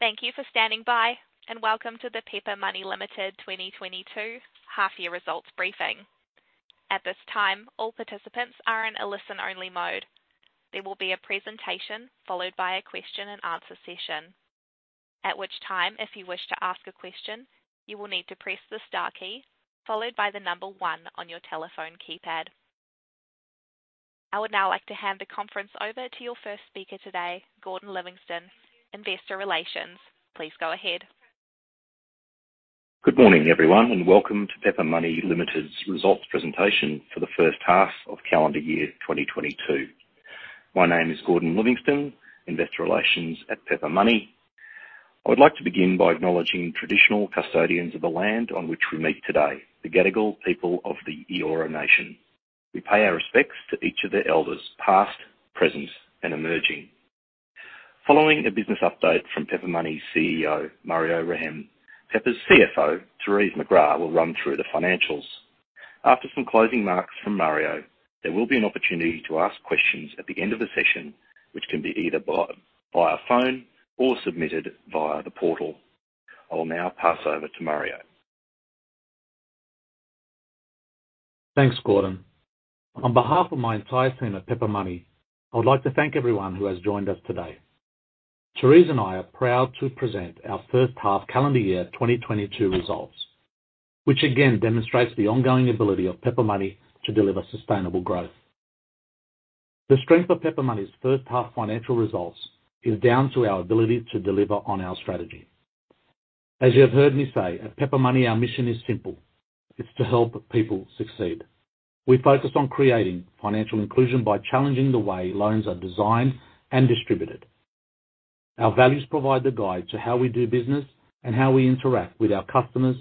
Thank you for standing by and welcoome to the Pepper Money Limited 2022 half year results briefing. At this time, all participants are in a listen only mode. There will be a presentation followed by a question and answer session. At which time, if you wish to ask a question, you will need to press the star key followed by the number one on your telephone keypad. I would now like to hand the conference over to your first speaker today, Gordon Livingston, Investor Relations. Please go ahead. Good morning, everyone, and welcome to Pepper Money Limited's results presentation for the first half of calendar year 2022. My name is Gordon Livingston, investor relations at Pepper Money. I would like to begin by acknowledging traditional custodians of the land on which we meet today, the Gadigal people of the Eora Nation. We pay our respects to each of their elders past, present, and emerging. Following a business update from Pepper Money's CEO, Mario Rehayem, Pepper's CFO, Therese McGrath, will run through the financials. After some closing marks from Mario, there will be an opportunity to ask questions at the end of the session, which can be either by phone or submitted via the portal. I will now pass over to Mario. Thanks, Gordon. On behalf of my entire team at Pepper Money, I would like to thank everyone who has joined us today. Therese and I are proud to present our first half calendar year 2022 results, which again demonstrates the ongoing ability of Pepper Money to deliver sustainable growth. The strength of Pepper Money's first half financial results is down to our ability to deliver on our strategy. As you have heard me say, at Pepper Money, our mission is simple, it's to help people succeed. We focus on creating financial inclusion by challenging the way loans are designed and distributed. Our values provide the guide to how we do business and how we interact with our customers,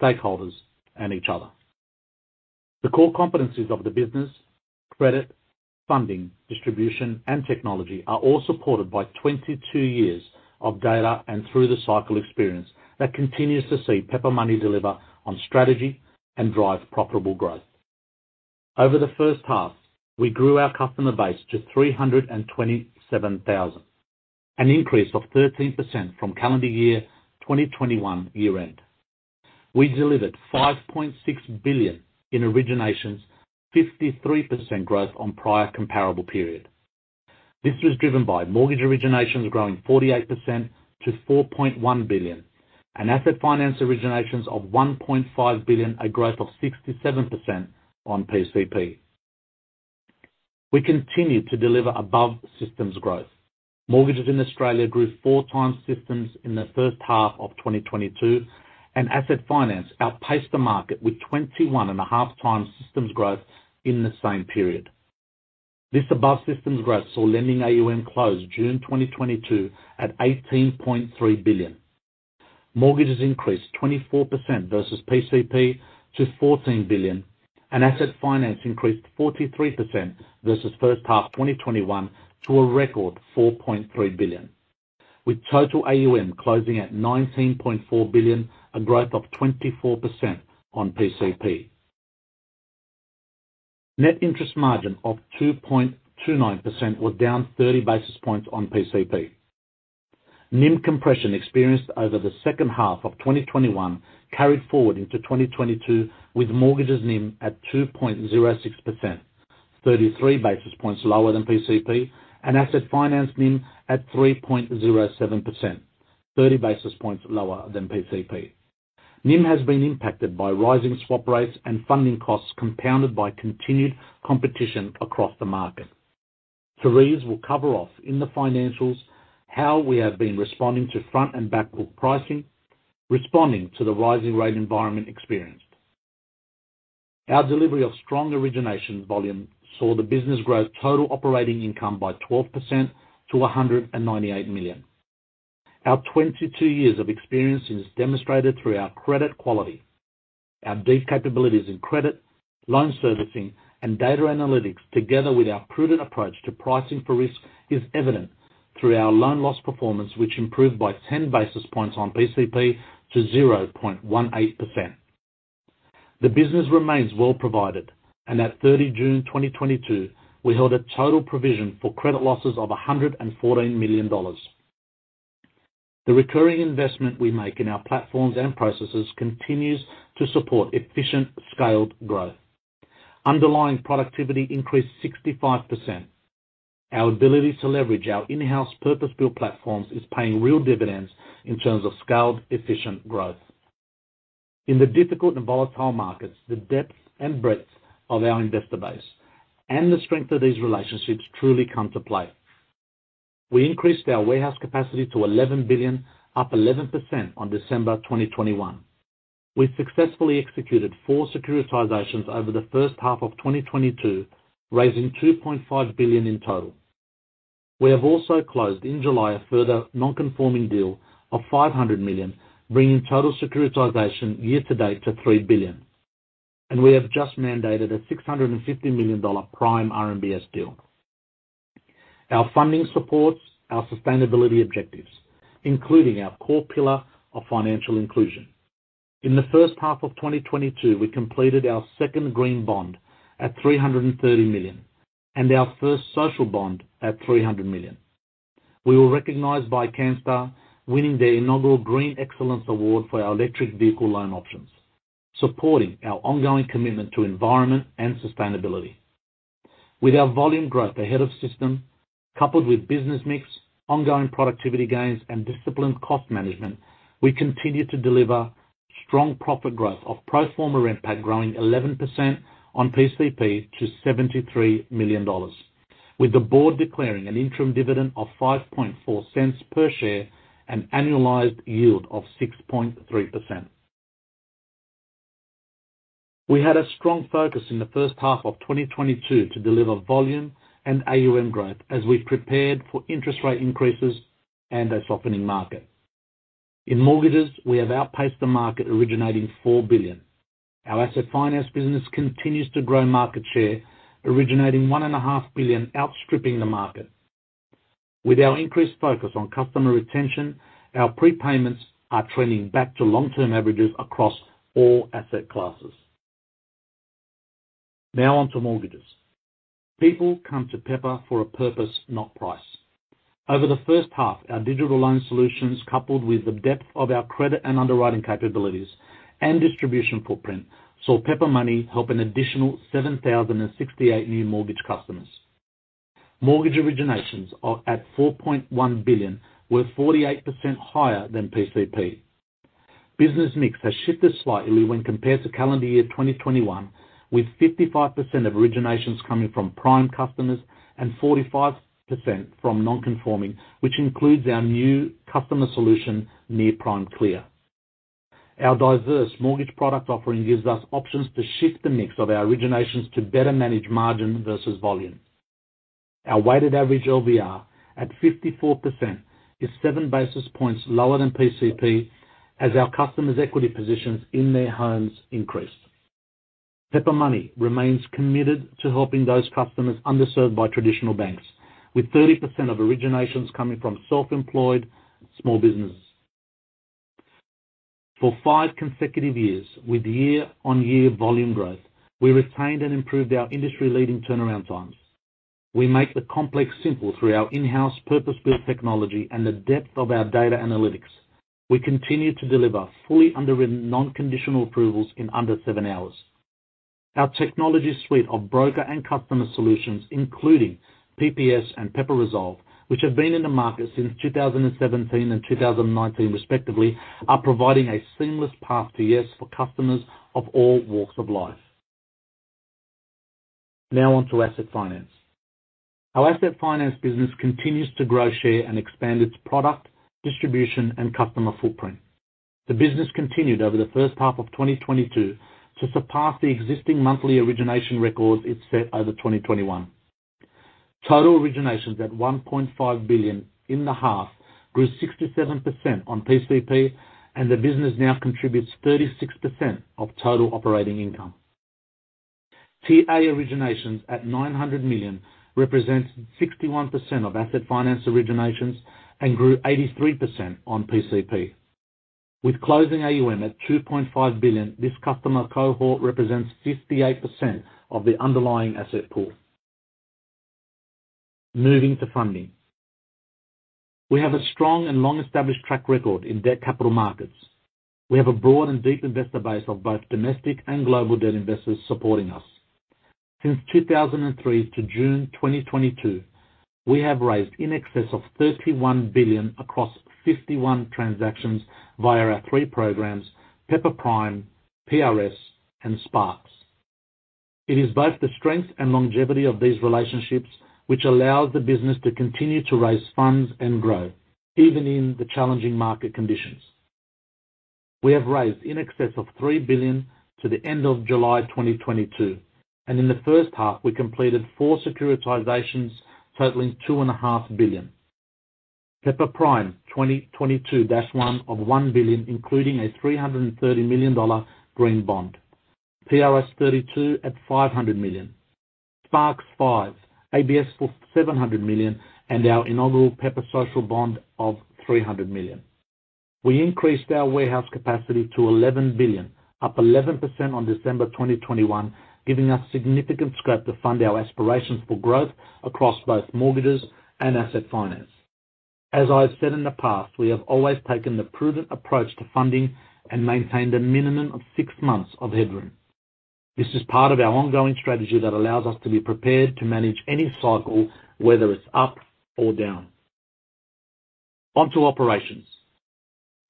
stakeholders, and each other. The core competencies of the business credit, funding, distribution, and technology are all supported by 22 years of data and through the cycle experience that continues to see Pepper Money deliver on strategy and drive profitable growth. Over the first half, we grew our customer base to 327,000, an increase of 13% from calendar year 2021 year end. We delivered 5.6 billion in originations, 53% growth on prior comparable period. This was driven by mortgage originations growing 48% to 4.1 billion and asset finance originations of 1.5 billion, a growth of 67% on PCP. We continue to deliver above systems growth. Mortgages in Australia grew 4x systems in the first half of 2022 and asset finance outpaced the market with 21.5x systems growth in the same period. This above systems growth saw lending AUM close June 2022 at 18.3 billion. Mortgages increased 24% versus PCP to 14 billion, and asset finance increased 43% versus first half 2021 to a record AUD 4.3 billion. With total AUM closing at AUD 19.4 billion, a growth of 24% on PCP. Net interest margin of 2.29% was down 30 basis points on PCP. NIM compression experienced over the second half of 2021 carried forward into 2022, with mortgages NIM at 2.06%, 33 basis points lower than PCP, and asset finance NIM at 3.07%, 30 basis points lower than PCP. NIM has been impacted by rising swap rates and funding costs, compounded by continued competition across the market. Therese will cover off in the financials how we have been responding to front and back book pricing, responding to the rising rate environment experienced. Our delivery of strong origination volume saw the business grow total operating income by 12% to 198 million. Our 22 years of experience is demonstrated through our credit quality. Our deep capabilities in credit, loan servicing and data analytics, together with our prudent approach to pricing for risk, is evident through our loan loss performance, which improved by 10 basis points on PCP to 0.18%. The business remains well provided and at June 30 2022, we held a total provision for credit losses of 114 million dollars. The recurring investment we make in our platforms and processes continues to support efficient scaled growth. Underlying productivity increased 65%. Our ability to leverage our in-house purpose-built platforms is paying real dividends in terms of scaled efficient growth. In the difficult and volatile markets, the depth and breadth of our investor base and the strength of these relationships truly come to play. We increased our warehouse capacity to 11 billion, up 11% on December 2021. We successfully executed four securitizations over the first half of 2022, raising 2.5 billion in total. We have also closed in July a further non-conforming deal of 500 million, bringing total securitization year to date to 3 billion. We have just mandated a 650 million dollar prime RMBS deal. Our funding supports our sustainability objectives, including our core pillar of financial inclusion. In the first half of 2022, we completed our second green bond at 330 million and our first social bond at 300 million. We were recognized by Canstar, winning their inaugural Canstar Green Excellence Award for our electric vehicle loan options, supporting our ongoing commitment to environment and sustainability. With our volume growth ahead of system, coupled with business mix, ongoing productivity gains, and disciplined cost management, we continue to deliver strong profit growth of pro forma NPAT growing 11% on PCP to 73 million dollars. With the board declaring an interim dividend of 0.054 per share an annualized yield of 6.3%. We had a strong focus in the first half of 2022 to deliver volume and AUM growth as we prepared for interest rate increases and a softening market. In mortgages, we have outpaced the market originating 4 billion. Our asset finance business continues to grow market share, originating 1.5 billion, outstripping the market. With our increased focus on customer retention, our prepayments are trending back to long-term averages across all asset classes. Now on to mortgages. People come to Pepper for a purpose, not price. Over the first half, our digital loan solutions, coupled with the depth of our credit and underwriting capabilities and distribution footprint, saw Pepper Money help an additional 7,068 new mortgage customers. Mortgage originations are at 4.1 billion, were 48% higher than PCP. Business mix has shifted slightly when compared to calendar year 2021, with 55% of originations coming from prime customers and 45% from non-conforming, which includes our new customer solution, Near Prime Clear. Our diverse mortgage product offering gives us options to shift the mix of our originations to better manage margin versus volume. Our weighted average LVR at 54% is 7 basis points lower than PCP as our customers' equity positions in their homes increase. Pepper Money remains committed to helping those customers underserved by traditional banks, with 30% of originations coming from self-employed small businesses. For five consecutive years, with year-on-year volume growth, we retained and improved our industry-leading turnaround times. We make the complex simple through our in-house purpose-built technology and the depth of our data analytics. We continue to deliver fully underwritten, non-conditional approvals in under 7 hours. Our technology suite of broker and customer solutions, including PPS and Pepper Resolve, which have been in the market since 2017 and 2019 respectively, are providing a seamless path to yes for customers of all walks of life. Now on to asset finance. Our asset finance business continues to grow share and expand its product, distribution, and customer footprint. The business continued over the first half of 2022 to surpass the existing monthly origination records it set over 2021. Total originations at 1.5 billion in the half grew 67% on PCP, and the business now contributes 36% of total operating income. TA originations at 900 million represents 61% of asset finance originations and grew 83% on PCP. With closing AUM at AUD 2.5 billion, this customer cohort represents 58% of the underlying asset pool. Moving to funding. We have a strong and long-established track record in debt capital markets. We have a broad and deep investor base of both domestic and global debt investors supporting us. Since 2003 to June 2022, we have raised in excess of 31 billion across 51 transactions via our three programs, Pepper Prime, PRS, and SPARKZ. It is both the strength and longevity of these relationships which allows the business to continue to raise funds and grow, even in the challenging market conditions. We have raised in excess of 3 billion to the end of July 2022, and in the first half, we completed four securitizations totaling 2.5 billion. Pepper Prime 2022-1 of 1 billion, including a 330 million dollar green bond. PRS 32 at 500 million, SPARKZ 5, ABS for 700 million, and our inaugural Pepper Social Bond of 300 million. We increased our warehouse capacity to 11 billion, up 11% on December 2021, giving us significant headroom to fund our aspirations for growth across both mortgages and asset finance. I've said in the past, we have always taken the prudent approach to funding and maintained a minimum of six months of headroom. This is part of our ongoing strategy that allows us to be prepared to manage any cycle, whether it's up or down. On to operations.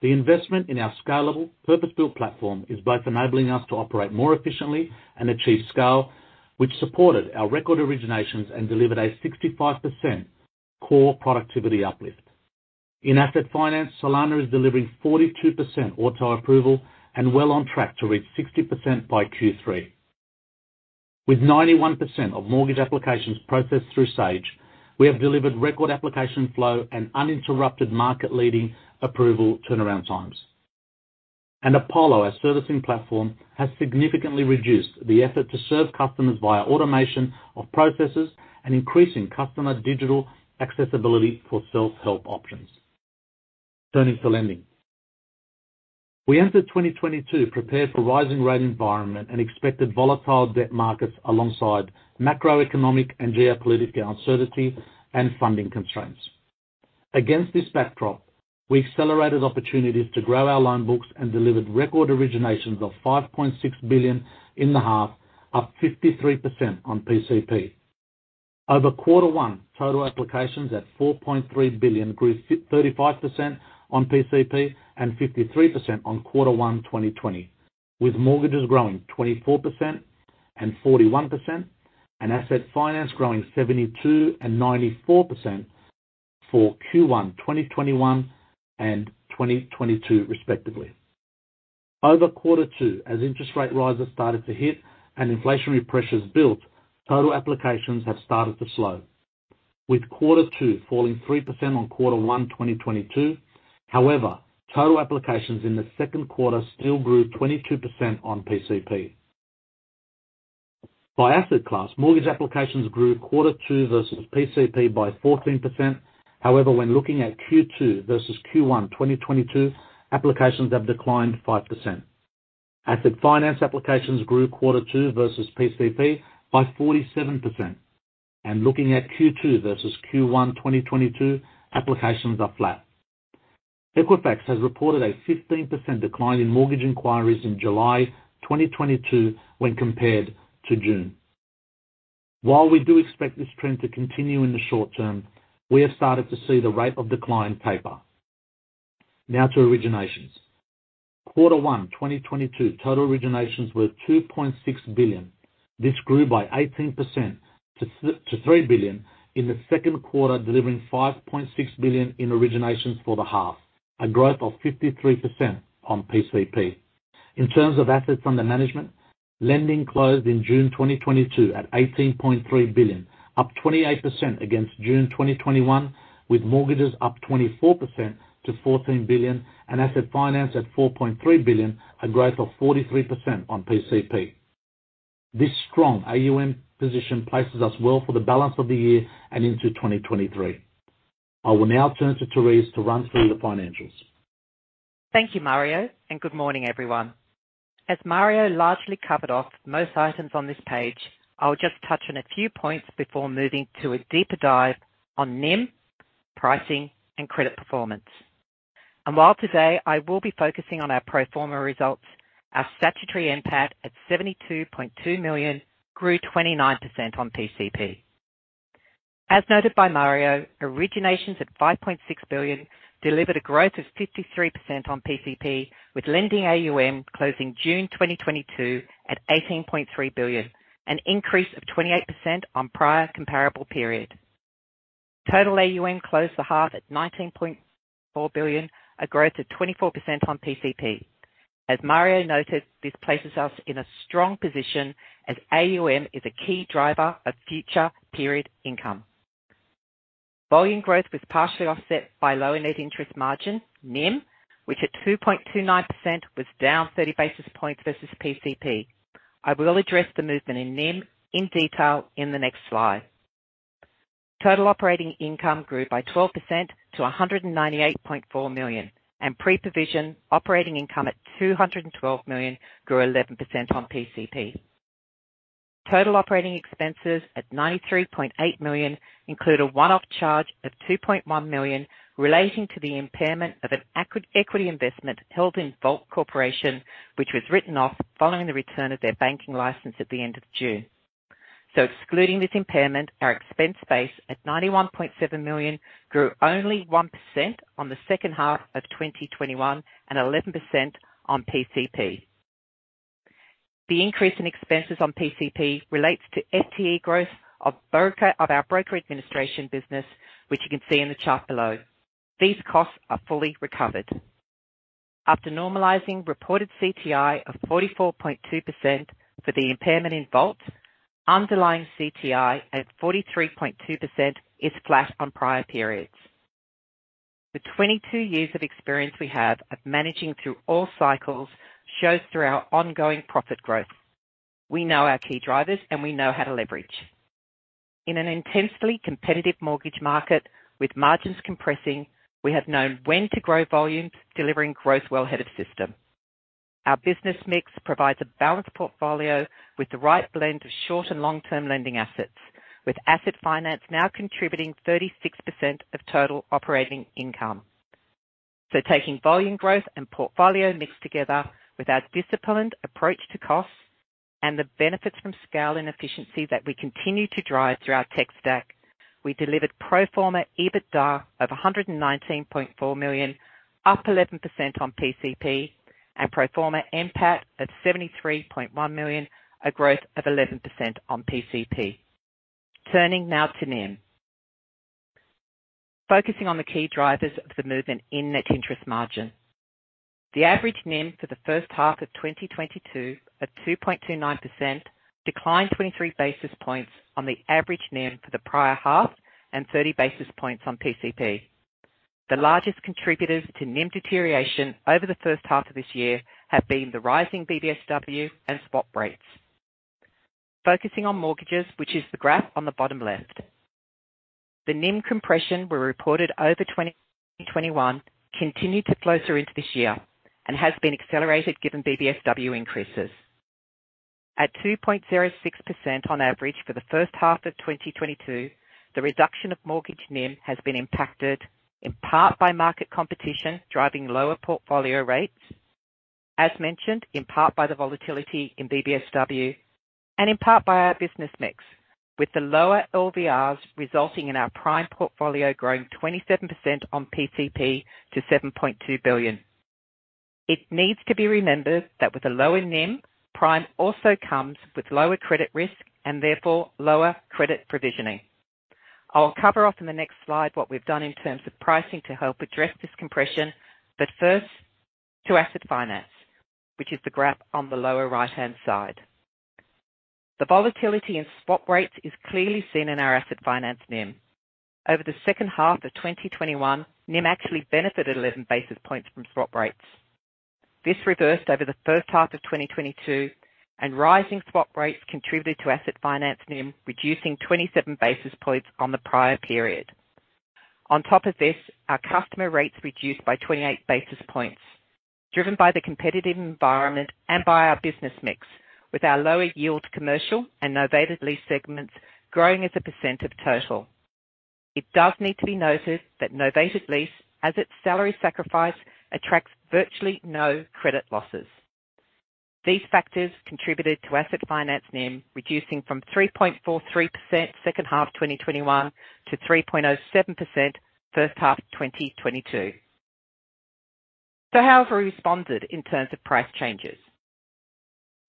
The investment in our scalable purpose-built platform is both enabling us to operate more efficiently and achieve scale, which supported our record originations and delivered a 65% core productivity uplift. In asset finance, Solana is delivering 42% auto approval and well on track to reach 60% by Q3. With 91% of mortgage applications processed through Sage, we have delivered record application flow and uninterrupted market-leading approval turnaround times. Apollo, our servicing platform, has significantly reduced the effort to serve customers via automation of processes and increasing customer digital accessibility for self-help options. Turning to lending. We entered 2022 prepared for rising rate environment and expected volatile debt markets alongside macroeconomic and geopolitical uncertainty and funding constraints. Against this backdrop, we accelerated opportunities to grow our loan books and delivered record originations of 5.6 billion in the half, up 53% on PCP. Over quarter one, total applications at 4.3 billion grew 53.35% on PCP and 53% on quarter one 2020, with mortgages growing 24% and 41% and asset finance growing 72% and 94% for Q1 2021 and 2022 respectively. Over quarter two, as interest rate rises started to hit and inflationary pressures built, total applications have started to slow, with quarter two falling 3% on quarter one 2022. However, total applications in the second quarter still grew 22% on PCP. By asset class, mortgage applications grew quarter two versus PCP by 14%. However, when looking at Q2 versus Q1 2022, applications have declined 5%. Asset finance applications grew quarter two versus PCP by 47%. Looking at Q2 versus Q1 2022, applications are flat. Equifax has reported a 15% decline in mortgage inquiries in July 2022 when compared to June. While we do expect this trend to continue in the short term, we have started to see the rate of decline taper. Now to originations. Quarter 1 2022, total originations were 2.6 billion. This grew by 18% to 3 billion in the second quarter, delivering 5.6 billion in originations for the half, a growth of 53% on PCP. In terms of assets under management, lending closed in June 2022 at 18.3 billion, up 28% against June 2021, with mortgages up 24% to 14 billion and asset finance at 4.3 billion, a growth of 43% on PCP. This strong AUM position places us well for the balance of the year and into 2023. I will now turn to Therese to run through the financials. Thank you, Mario, and good morning, everyone. As Mario largely covered off most items on this page, I'll just touch on a few points before moving to a deeper dive on NIM, pricing, and credit performance. While today I will be focusing on our pro forma results, our statutory NPAT at 72.2 million grew 29% on PCP. As noted by Mario, originations at 5.6 billion delivered a growth of 53% on PCP, with lending AUM closing June 2022 at 18.3 billion, an increase of 28% on prior comparable period. Total AUM closed the half at 19.4 billion, a growth of 24% on PCP. As Mario noted, this places us in a strong position as AUM is a key driver of future period income. Volume growth was partially offset by lower net interest margin, NIM, which at 2.29% was down 30 basis points versus PCP. I will address the movement in NIM in detail in the next slide. Total operating income grew by 12% to 198.4 million, and pre-provision operating income at 212 million grew 11% on PCP. Total operating expenses at 93.8 million include a one-off charge of 2.1 million relating to the impairment of an acquired equity investment held in Volt Bank, which was written off following the return of their banking license at the end of June. Excluding this impairment, our expense base at 91.7 million grew only 1% on the second half of 2021 and 11% on PCP. The increase in expenses on PCP relates to FTE growth of our broker administration business, which you can see in the chart below. These costs are fully recovered. After normalizing reported CTI of 44.2% for the impairment in Volt, underlying CTI at 43.2% is flat on prior periods. The 22 years of experience we have of managing through all cycles shows through our ongoing profit growth. We know our key drivers, and we know how to leverage. In an intensely competitive mortgage market with margins compressing, we have known when to grow volumes, delivering growth well ahead of system. Our business mix provides a balanced portfolio with the right blend of short and long-term lending assets, with asset finance now contributing 36% of total operating income. Taking volume growth and portfolio mixed together with our disciplined approach to costs and the benefits from scale and efficiency that we continue to drive through our tech stack, we delivered pro forma EBITDA of 119.4 million, up 11% on PCP, and pro forma NPAT of 73.1 million, a growth of 11% on PCP. Turning now to NIM. Focusing on the key drivers of the movement in net interest margin. The average NIM for the first half of 2022 of 2.29% declined 23 basis points on the average NIM for the prior half and 30 basis points on PCP. The largest contributors to NIM deterioration over the first half of this year have been the rising BBSW and swap rates. Focusing on mortgages, which is the graph on the bottom left. The NIM compression we reported over 2021 continued to flow through into this year and has been accelerated given BBSW increases. At 2.06% on average for the first half of 2022, the reduction of mortgage NIM has been impacted in part by market competition, driving lower portfolio rates, as mentioned, in part by the volatility in BBSW and in part by our business mix with the lower LVRs resulting in our prime portfolio growing 27% on PCP to 7.2 billion. It needs to be remembered that with a lower NIM, prime also comes with lower credit risk and therefore lower credit provisioning. I'll cover off in the next slide what we've done in terms of pricing to help address this compression, but first to asset finance, which is the graph on the lower right-hand side. The volatility in swap rates is clearly seen in our asset finance NIM. Over the second half of 2021, NIM actually benefited 11 basis points from swap rates. This reversed over the first half of 2022, and rising swap rates contributed to asset finance NIM, reducing 27 basis points on the prior period. On top of this, our customer rates reduced by 28 basis points, driven by the competitive environment and by our business mix with our lower yield commercial and novated lease segments growing as a percent of total. It does need to be noted that novated lease, as its salary sacrifice, attracts virtually no credit losses. These factors contributed to asset finance NIM, reducing from 3.43% second half 2021 to 3.27% first half 2022. How have we responded in terms of price changes?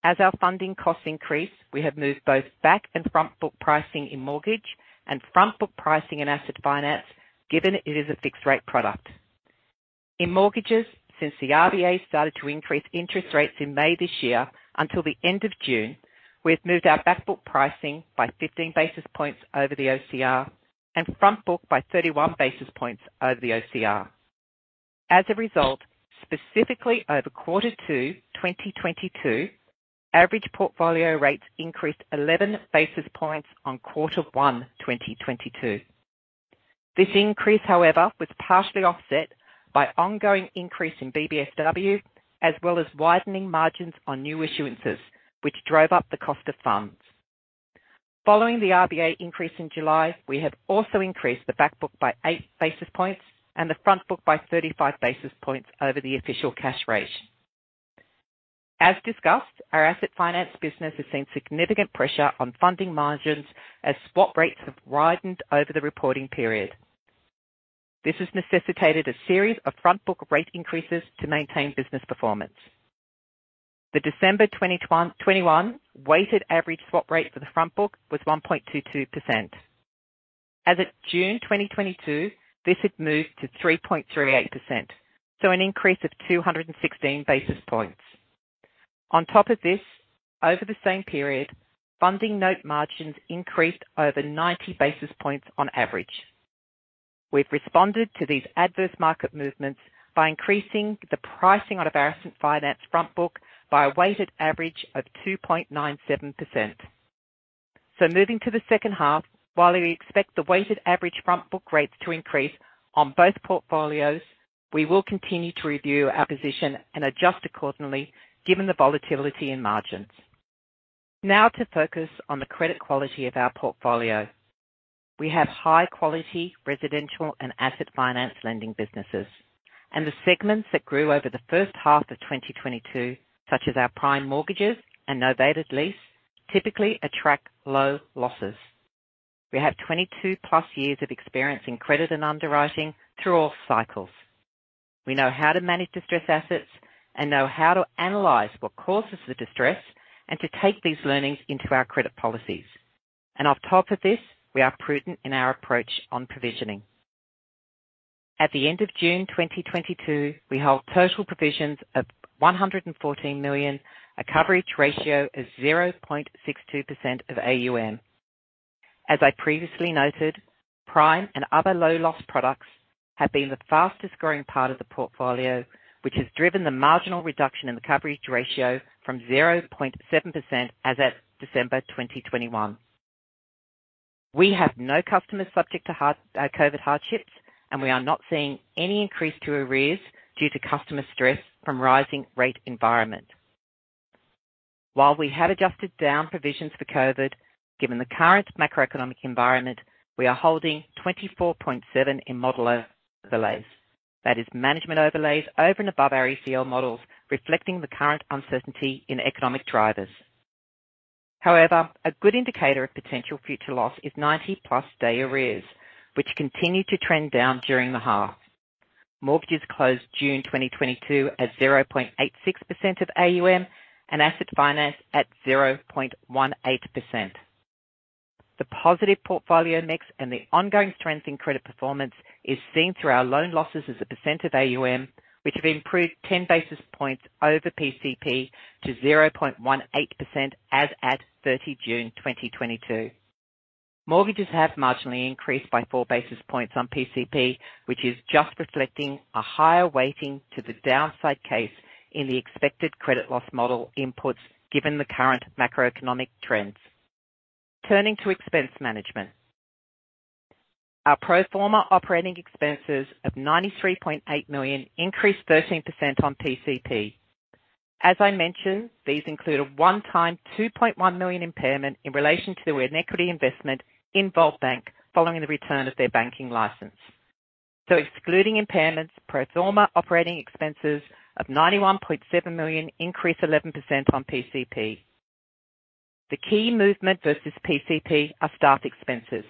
As our funding costs increase, we have moved both back and front book pricing in mortgage and front book pricing and asset finance given it is a fixed rate product. In mortgages, since the RBA started to increase interest rates in May this year until the end of June, we have moved our back book pricing by 15 basis points over the OCR and front book by 31 basis points over the OCR. As a result, specifically over quarter two 2022, average portfolio rates increased 11 basis points on quarter one 2022. This increase, however, was partially offset by ongoing increase in BBSW as well as widening margins on new issuances, which drove up the cost of funds. Following the RBA increase in July, we have also increased the back book by 8 basis points and the front book by 35 basis points over the official cash rate. As discussed, our asset finance business has seen significant pressure on funding margins as swap rates have widened over the reporting period. This has necessitated a series of front book rate increases to maintain business performance. The December 2021 weighted average swap rate for the front book was 1.22%. As of June 2022, this had moved to 3.38%, so an increase of 216 basis points. On top of this, over the same period, funding note margins increased over 90 basis points on average. We've responded to these adverse market movements by increasing the pricing out of our asset finance front book by a weighted average of 2.97%. Moving to the second half, while we expect the weighted average front book rates to increase on both portfolios, we will continue to review our position and adjust accordingly given the volatility in margins. Now to focus on the credit quality of our portfolio. We have high quality residential and asset finance lending businesses and the segments that grew over the first half of 2022, such as our prime mortgages and novated lease, typically attract low losses. We have 22+ years of experience in credit and underwriting through all cycles. We know how to manage distressed assets and know how to analyze what causes the distress and to take these learnings into our credit policies. On top of this, we are prudent in our approach on provisioning. At the end of June 2022, we held total provisions of 114 million, a coverage ratio of 0.62% of AUM. As I previously noted, prime and other low loss products have been the fastest growing part of the portfolio, which has driven the marginal reduction in the coverage ratio from 0.7% as at December 2021. We have no customers subject to COVID hardships, and we are not seeing any increase to arrears due to customer stress from rising rate environment. While we have adjusted down provisions for COVID, given the current macroeconomic environment, we are holding 24.7 in model overlays. That is management overlays over and above our ECL models, reflecting the current uncertainty in economic drivers. However, a good indicator of potential future loss is 90+ day arrears, which continued to trend down during the half. Mortgages closed June 2022 at 0.86% of AUM and asset finance at 0.18%. The positive portfolio mix and the ongoing strength in credit performance is seen through our loan losses as a percent of AUM, which have improved 10 basis points over PCP to 0.18% as at June 30 2022. Mortgages have marginally increased by 4 basis points on PCP, which is just reflecting a higher weighting to the downside case in the expected credit loss model inputs, given the current macroeconomic trends. Turning to expense management. Our pro forma operating expenses of 93.8 million increased 13% on PCP. As I mentioned, these include a one-time 2.1 million impairment in relation to an equity investment in Volt Bank following the return of their banking license. Excluding impairments, pro forma operating expenses of 91.7 million increased 11% on PCP. The key movement versus PCP are staff expenses,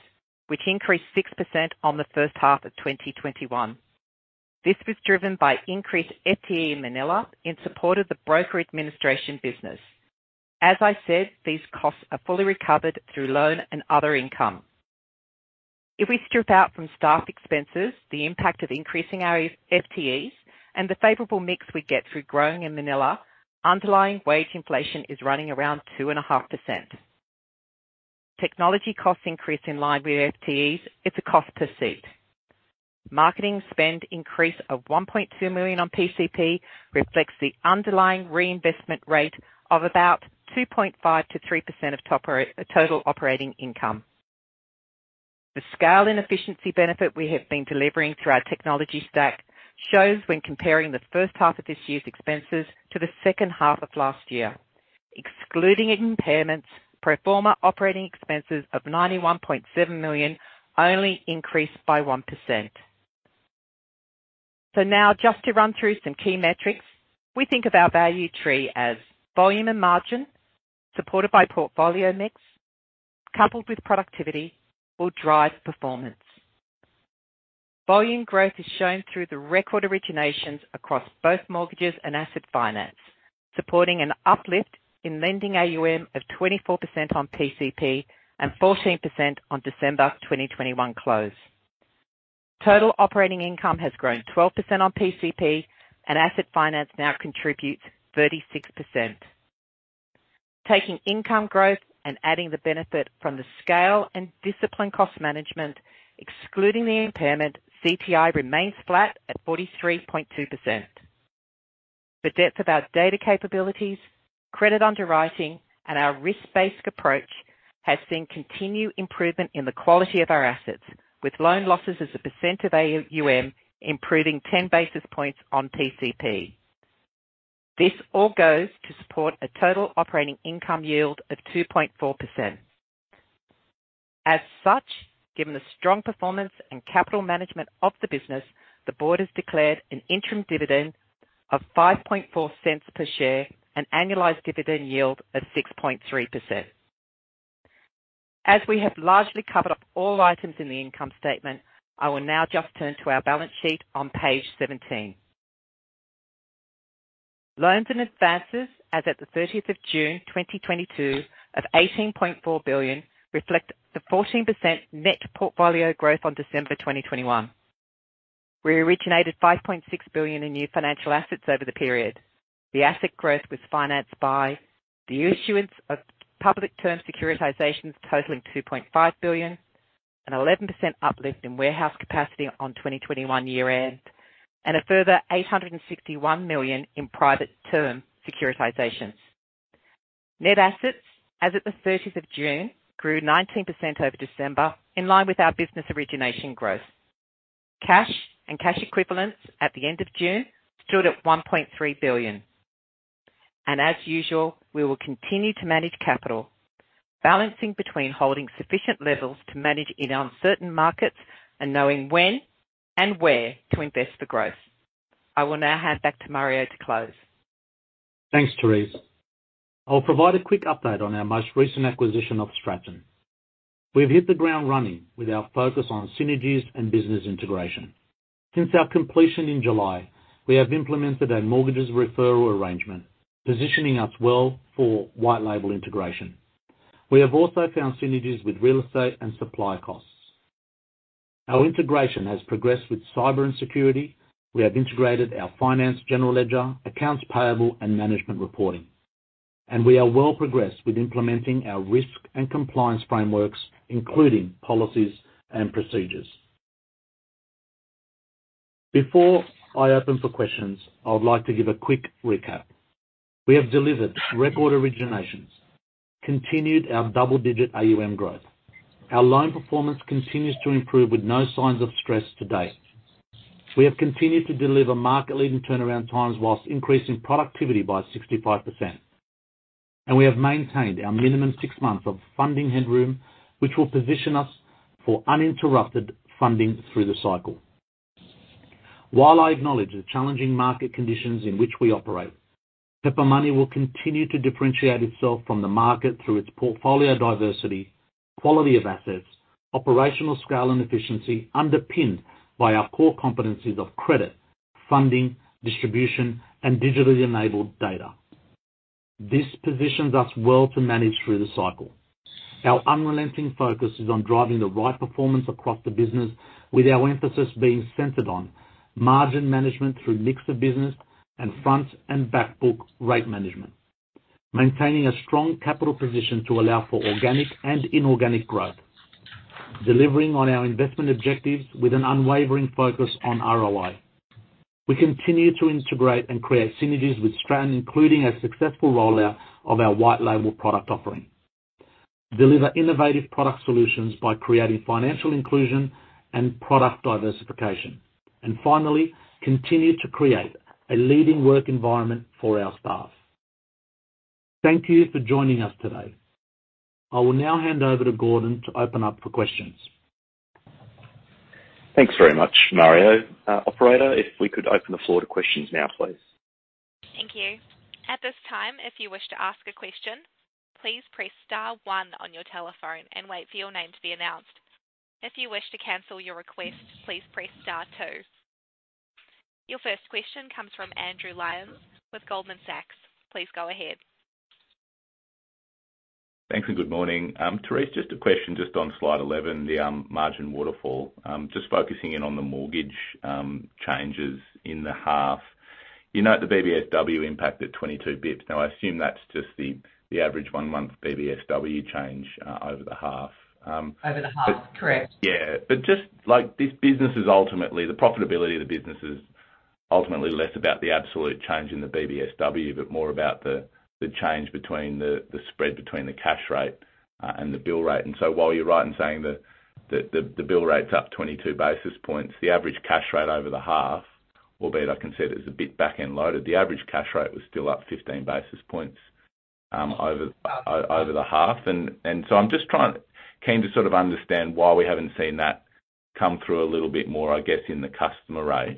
which increased 6% on the first half of 2021. This was driven by increased FTE in Manila in support of the broker administration business. As I said, these costs are fully recovered through loan and other income. If we strip out from staff expenses the impact of increasing our FTEs and the favorable mix we get through growing in Manila, underlying wage inflation is running around 2.5%. Technology costs increase in line with FTEs. It's a cost per seat. Marketing spend increase of 1.2 million on PCP reflects the underlying reinvestment rate of about 2.5%-3% of total operating income. The scale and efficiency benefit we have been delivering through our technology stack shows when comparing the first half of this year's expenses to the second half of last year. Excluding impairments, pro forma operating expenses of 91.7 million only increased by 1%. Now just to run through some key metrics. We think of our value tree as volume and margin, supported by portfolio mix, coupled with productivity will drive performance. Volume growth is shown through the record originations across both mortgages and asset finance, supporting an uplift in lending AUM of 24% on PCP and 14% on December 2021 close. Total operating income has grown 12% on PCP, and asset finance now contributes 36%. Taking income growth and adding the benefit from the scale and disciplined cost management, excluding the impairment, CTI remains flat at 43.2%. The depth of our data capabilities, credit underwriting, and our risk-based approach has seen continued improvement in the quality of our assets, with loan losses as a percent of AUM improving 10 basis points on PCP. This all goes to support a total operating income yield of 2.4%. As such, given the strong performance and capital management of the business, the board has declared an interim dividend of 0.054 per share, an annualized dividend yield of 6.3%. As we have largely covered up all items in the income statement, I will now just turn to our balance sheet on page 17. Loans and advances as of the 30th of June 2022 of 18.4 billion reflect the 14% net portfolio growth on December 2021. We originated 5.6 billion in new financial assets over the period. The asset growth was financed by the issuance of public term securitizations totaling 2.5 billion, an 11% uplift in warehouse capacity on 2021 year-end, and a further 861 million in private term securitizations. Net assets as of the 30th of June grew 19% over December, in line with our business origination growth. Cash and cash equivalents at the end of June stood at 1.3 billion. As usual, we will continue to manage capital, balancing between holding sufficient levels to manage in uncertain markets and knowing when and where to invest for growth. I will now hand back to Mario to close. Thanks, Therese. I'll provide a quick update on our most recent acquisition of Stratton. We've hit the ground running with our focus on synergies and business integration. Since our completion in July, we have implemented a mortgages referral arrangement, positioning us well for white label integration. We have also found synergies with real estate and supply costs. Our integration has progressed with cyber and security. We have integrated our finance general ledger, accounts payable, and management reporting, and we are well progressed with implementing our risk and compliance frameworks, including policies and procedures. Before I open for questions, I would like to give a quick recap. We have delivered record originations, continued our double-digit AUM growth. Our loan performance continues to improve with no signs of stress to date. We have continued to deliver market-leading turnaround times while increasing productivity by 65%. We have maintained our minimum six months of funding headroom, which will position us for uninterrupted funding through the cycle. While I acknowledge the challenging market conditions in which we operate, Pepper Money will continue to differentiate itself from the market through its portfolio diversity, quality of assets, operational scale and efficiency, underpinned by our core competencies of credit, funding, distribution, and digitally enabled data. This positions us well to manage through the cycle. Our unrelenting focus is on driving the right performance across the business, with our emphasis being centered on margin management through mix of business and front and back book rate management. Maintaining a strong capital position to allow for organic and inorganic growth. Delivering on our investment objectives with an unwavering focus on ROI. We continue to integrate and create synergies with Stratton, including a successful rollout of our white label product offering. Deliver innovative product solutions by creating financial inclusion and product diversification. Finally, continue to create a leading work environment for our staff. Thank you for joining us today. I will now hand over to Gordon to open up for questions. Thanks very much, Mario. Operator, if we could open the floor to questions now, please. Thank you. At this time, if you wish to ask a question, please press star one on your telephone and wait for your name to be announced. If you wish to cancel your request, please press star two. Your first question comes from Andrew Lyons with Goldman Sachs. Please go ahead. Thanks and good morning. Therese, just a question just on slide 11, the margin waterfall. Just focusing in on the mortgage changes in the half. You note the BBSW impact at 22 basis points. Now I assume that's just the average one-month BBSW change over the half. Over the half. Correct. Just, like, this business is ultimately the profitability of the business is ultimately less about the absolute change in the BBSW, but more about the change between the spread between the cash rate and the bill rate. While you're right in saying that the bill rate's up 22 basis points, the average cash rate over the half, albeit I can see it as a bit back-end loaded, the average cash rate was still up 15 basis points, over- Right over the half. I'm just keen to sort of understand why we haven't seen that come through a little bit more, I guess, in the customer rate.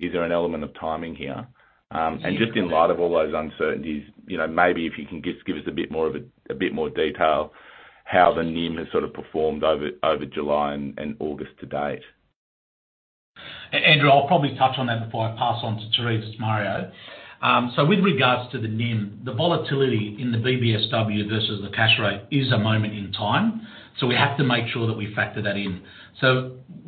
Is there an element of timing here? Usually- Just in light of all those uncertainties, you know, maybe if you can just give us a bit more detail how the NIM has sort of performed over July and August to date. Andrew, I'll probably touch on that before I pass on to Therese. It's Mario. With regards to the NIM, the volatility in the BBSW versus the cash rate is a moment in time, so we have to make sure that we factor that in.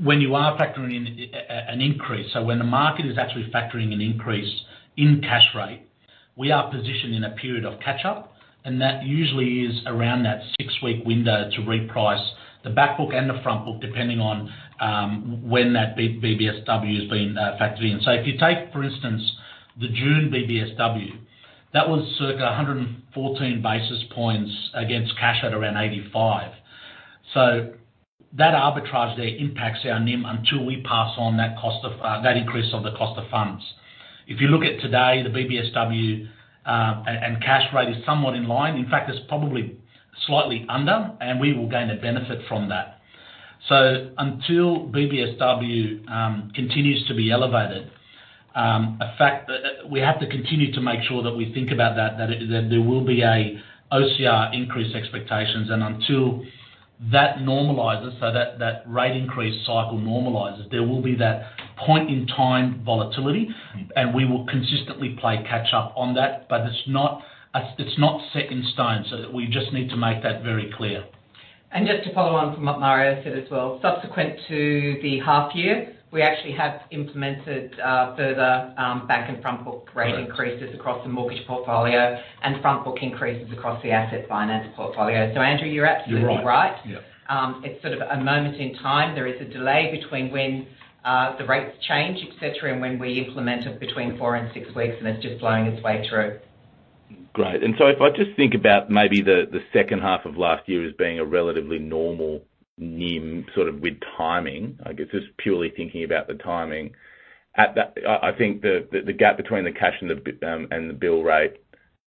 When you are factoring in an increase, when the market is actually factoring an increase in cash rate, we are positioned in a period of catch-up, and that usually is around that six-week window to reprice the back book and the front book, depending on when that BBSW is being factored in. If you take, for instance, the June BBSW, that was circa 100 basis points against cash at around 85. That arbitrage there impacts our NIM until we pass on that cost of that increase of the cost of funds. If you look at today, the BBSW and cash rate is somewhat in line. In fact, it's probably slightly under, and we will gain a benefit from that. Until BBSW continues to be elevated, a fact that we have to continue to make sure that we think about that it that there will be a OCR increase expectations. Until that normalizes, so that rate increase cycle normalizes, there will be that point in time volatility, and we will consistently play catch up on that. It's not set in stone, so we just need to make that very clear. Just to follow on from what Mario said as well. Subsequent to the half year, we actually have implemented further back and front book rate increases. Correct... across the mortgage portfolio and front book increases across the asset finance portfolio. Andrew, you're absolutely right. You're right. Yeah. It's sort of a moment in time. There is a delay between when the rates change, et cetera, and when we implement it between four and six weeks, and it's just blowing its way through. Great. If I just think about maybe the second half of last year as being a relatively normal NIM, sort of with timing, I guess just purely thinking about the timing. I think the gap between the cash rate and the BBSW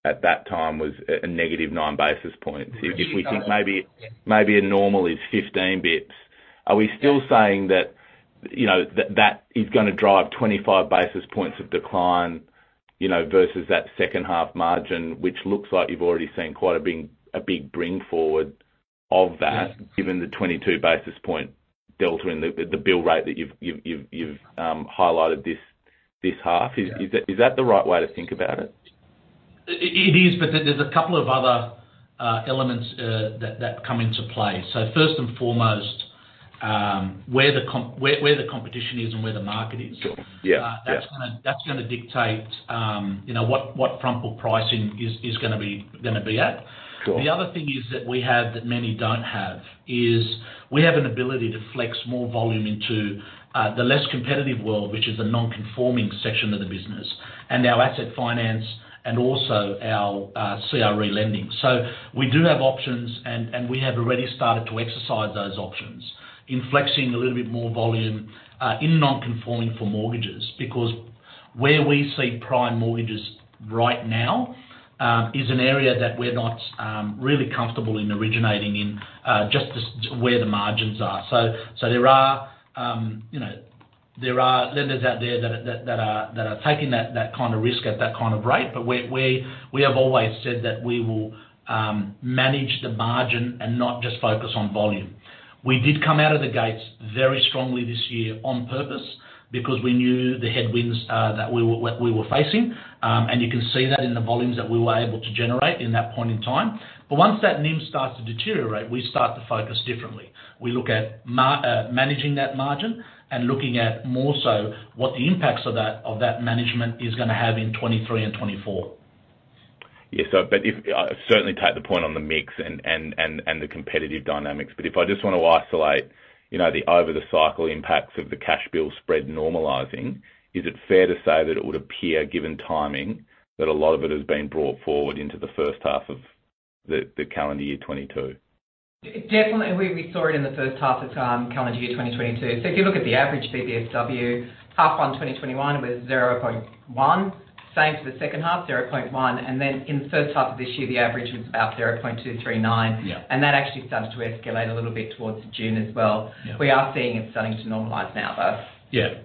at that time was a negative nine basis points. Mm-hmm. If we think maybe a normal is 15 basis points, are we still saying that that is gonna drive 25 basis points of decline, you know, versus that second half margin, which looks like you've already seen quite a big bring forward of that? Yeah... given the 22 basis point delta in the bill rate that you've highlighted this half. Yeah. Is that the right way to think about it? It is, but there's a couple of other elements that come into play. First and foremost, where the competition is and where the market is. Sure. Yeah. Yeah. That's gonna dictate, you know, what front book pricing is gonna be at. Sure. The other thing is that we have that many don't have is we have an ability to flex more volume into the less competitive world, which is the non-conforming section of the business, and our asset finance and also our CRE lending. We do have options and we have already started to exercise those options in flexing a little bit more volume in non-conforming for mortgages. Because where we see prime mortgages right now is an area that we're not really comfortable in originating in just as to where the margins are. There are lenders out there that are taking that kind of risk at that kind of rate. We have always said that we will manage the margin and not just focus on volume. We did come out of the gates very strongly this year on purpose because we knew the headwinds that we were facing. You can see that in the volumes that we were able to generate in that point in time. Once that NIM starts to deteriorate, we start to focus differently. We look at managing that margin and looking at more so what the impacts of that management is gonna have in 2023 and 2024. I certainly take the point on the mix and the competitive dynamics, but if I just wanna isolate, you know, the over the cycle impacts of the cash bill spread normalizing, is it fair to say that it would appear, given timing, that a lot of it has been brought forward into the first half of the calendar year 2022? Definitely, we saw it in the first half of calendar year 2022. If you look at the average BBSW half of 2021, it was 0.1. Same for the second half, 0.1. In the first half of this year, the average was about 0.239. Yeah. That actually started to escalate a little bit towards June as well. Yeah. We are seeing it starting to normalize now, though. Yeah.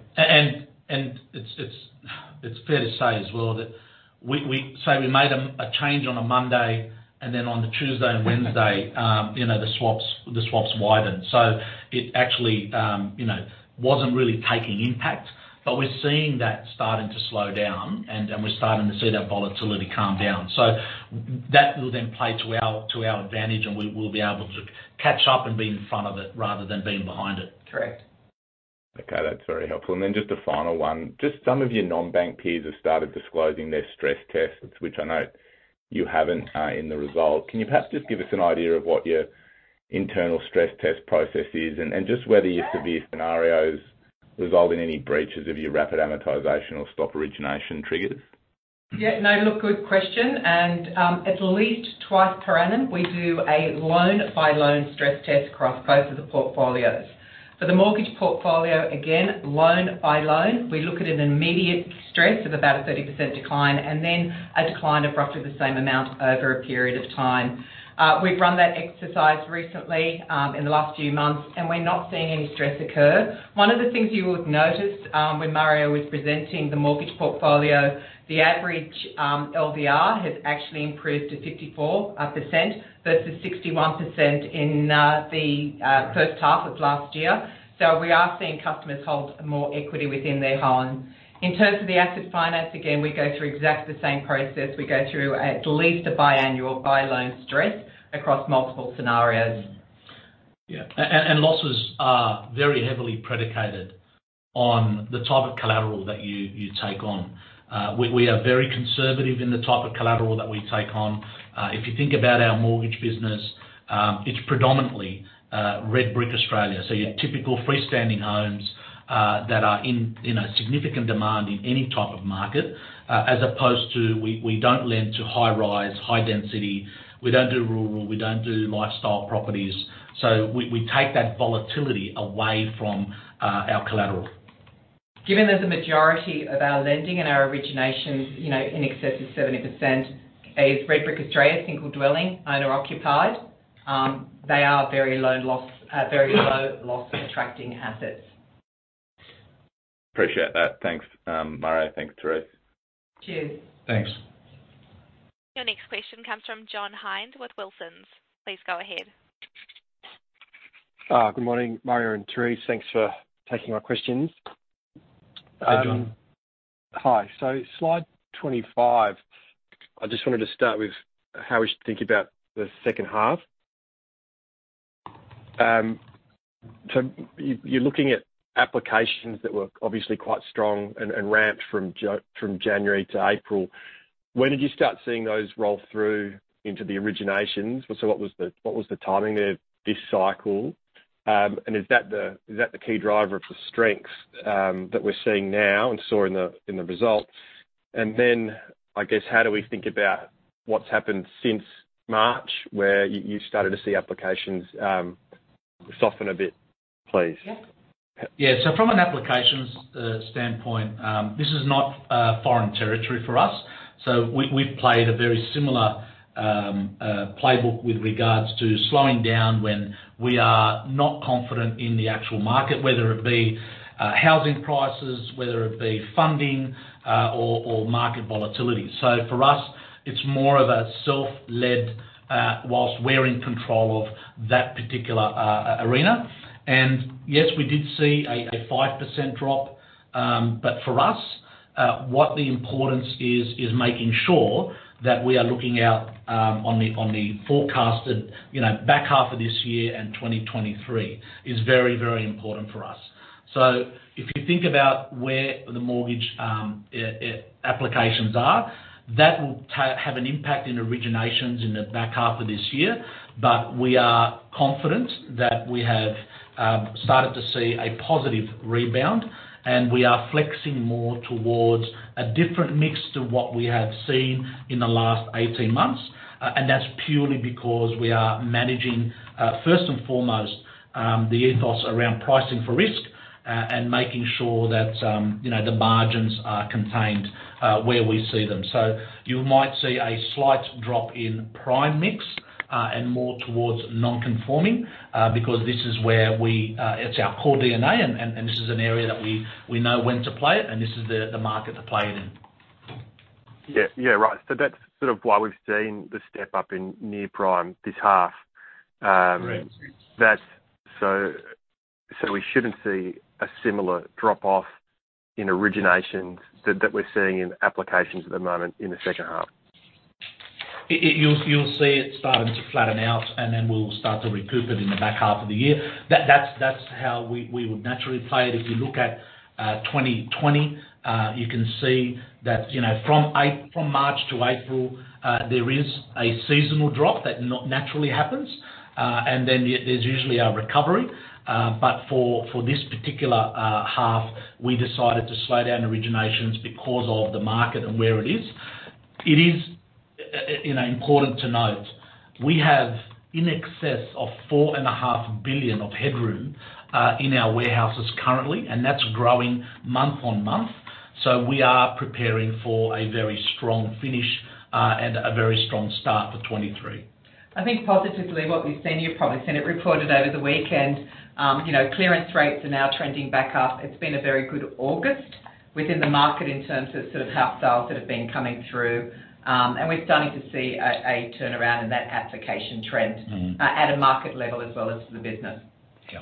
It's fair to say as well that, say, we made a change on a Monday, and then on the Tuesday and Wednesday, you know, the swaps widened. It actually wasn't really taking effect, but we're seeing that starting to slow down, and we're starting to see that volatility calm down. That will then play to our advantage, and we'll be able to catch up and be in front of it rather than being behind it. Correct. Okay, that's very helpful. Just a final one. Just some of your non-bank peers have started disclosing their stress tests, which I know you haven't in the results. Can you perhaps just give us an idea of what your internal stress test process is, and just whether your severe scenarios result in any breaches of your rapid amortization or stop origination triggers? Yeah. No, look, good question. At least twice per annum, we do a loan by loan stress test across both of the portfolios. For the mortgage portfolio, again, loan by loan, we look at an immediate stress of about a 30% decline, and then a decline of roughly the same amount over a period of time. We've run that exercise recently, in the last few months, and we're not seeing any stress occur. One of the things you would notice, when Mario was presenting the mortgage portfolio, the average LVR has actually improved to 54%, versus 61% in the first half of last year. So we are seeing customers hold more equity within their home. In terms of the asset finance, again, we go through exactly the same process. We go through at least a biannual by-loan stress across multiple scenarios. Yeah. Losses are very heavily predicated on the type of collateral that you take on. We are very conservative in the type of collateral that we take on. If you think about our mortgage business, it's predominantly red brick Australia. Your typical freestanding homes that are in significant demand in any type of market, as opposed to we don't lend to high rise, high density, we don't do rural, we don't do lifestyle properties. We take that volatility away from our collateral. Given that the majority of our lending and our originations, you know, in excess of 70% is red brick Australia, single dwelling, owner occupied, they are very low loss attracting assets. Appreciate that. Thanks, Mario. Thanks, Therese. Cheers. Thanks. Your next question comes from John Hynd with Wilsons. Please go ahead. Good morning, Mario and Therese. Thanks for taking my questions. Hey, John. Hi. Slide 25, I just wanted to start with how we should think about the second half. You're looking at applications that were obviously quite strong and ramped from January to April. When did you start seeing those roll through into the originations? What was the timing of this cycle? Is that the key driver of the strength that we're seeing now and saw in the results? I guess, how do we think about what's happened since March, where you started to see applications soften a bit, please? Yeah. Yeah. From an applications standpoint, this is not foreign territory for us. We've played a very similar playbook with regards to slowing down when we are not confident in the actual market, whether it be housing prices, whether it be funding, or market volatility. For us, it's more of a self-led whilst we're in control of that particular arena. Yes, we did see a 5% drop, but for us, what the importance is making sure that we are looking out on the forecasted, you know, back half of this year and 2023, is very, very important for us. If you think about where the mortgage applications are, that will have an impact in originations in the back half of this year. We are confident that we have started to see a positive rebound, and we are flexing more towards a different mix to what we have seen in the last 18 months. That's purely because we are managing first and foremost the ethos around pricing for risk and making sure that you know the margins are contained where we see them. You might see a slight drop in prime mix and more towards non-conforming because this is where it's our core DNA, and this is an area that we know when to play it, and this is the market to play it in. Yeah. Right. That's sort of why we've seen the step up in Near Prime this half. Correct. We shouldn't see a similar drop off in originations that we're seeing in applications at the moment in the second half. You'll see it starting to flatten out, and then we'll start to recoup it in the back half of the year. That's how we would naturally play it. If you look at 2020, you can see that, you know, from March to April, there is a seasonal drop that naturally happens. There's usually a recovery. For this particular half, we decided to slow down originations because of the market and where it is. It is, you know, important to note, we have in excess of 4.5 billion of headroom in our warehouses currently, and that's growing month on month. We are preparing for a very strong finish and a very strong start for 2023. I think positively what we've seen, you've probably seen it reported over the weekend, you know, clearance rates are now trending back up. It's been a very good August within the market in terms of sort of house sales that have been coming through. We're starting to see a turnaround in that application trend. Mm-hmm. At a market level as well as the business. Yeah.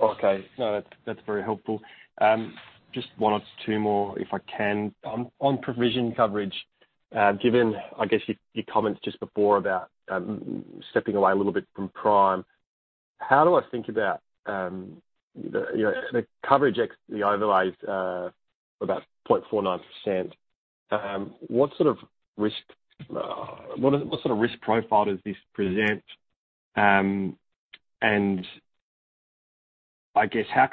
Okay. No, that's very helpful. Just one or two more, if I can. On provision coverage, given your comments just before about stepping away a little bit from Prime, how do I think about, you know, the coverage, the overlays, about 0.49%, what sort of risk profile does this present? I guess, how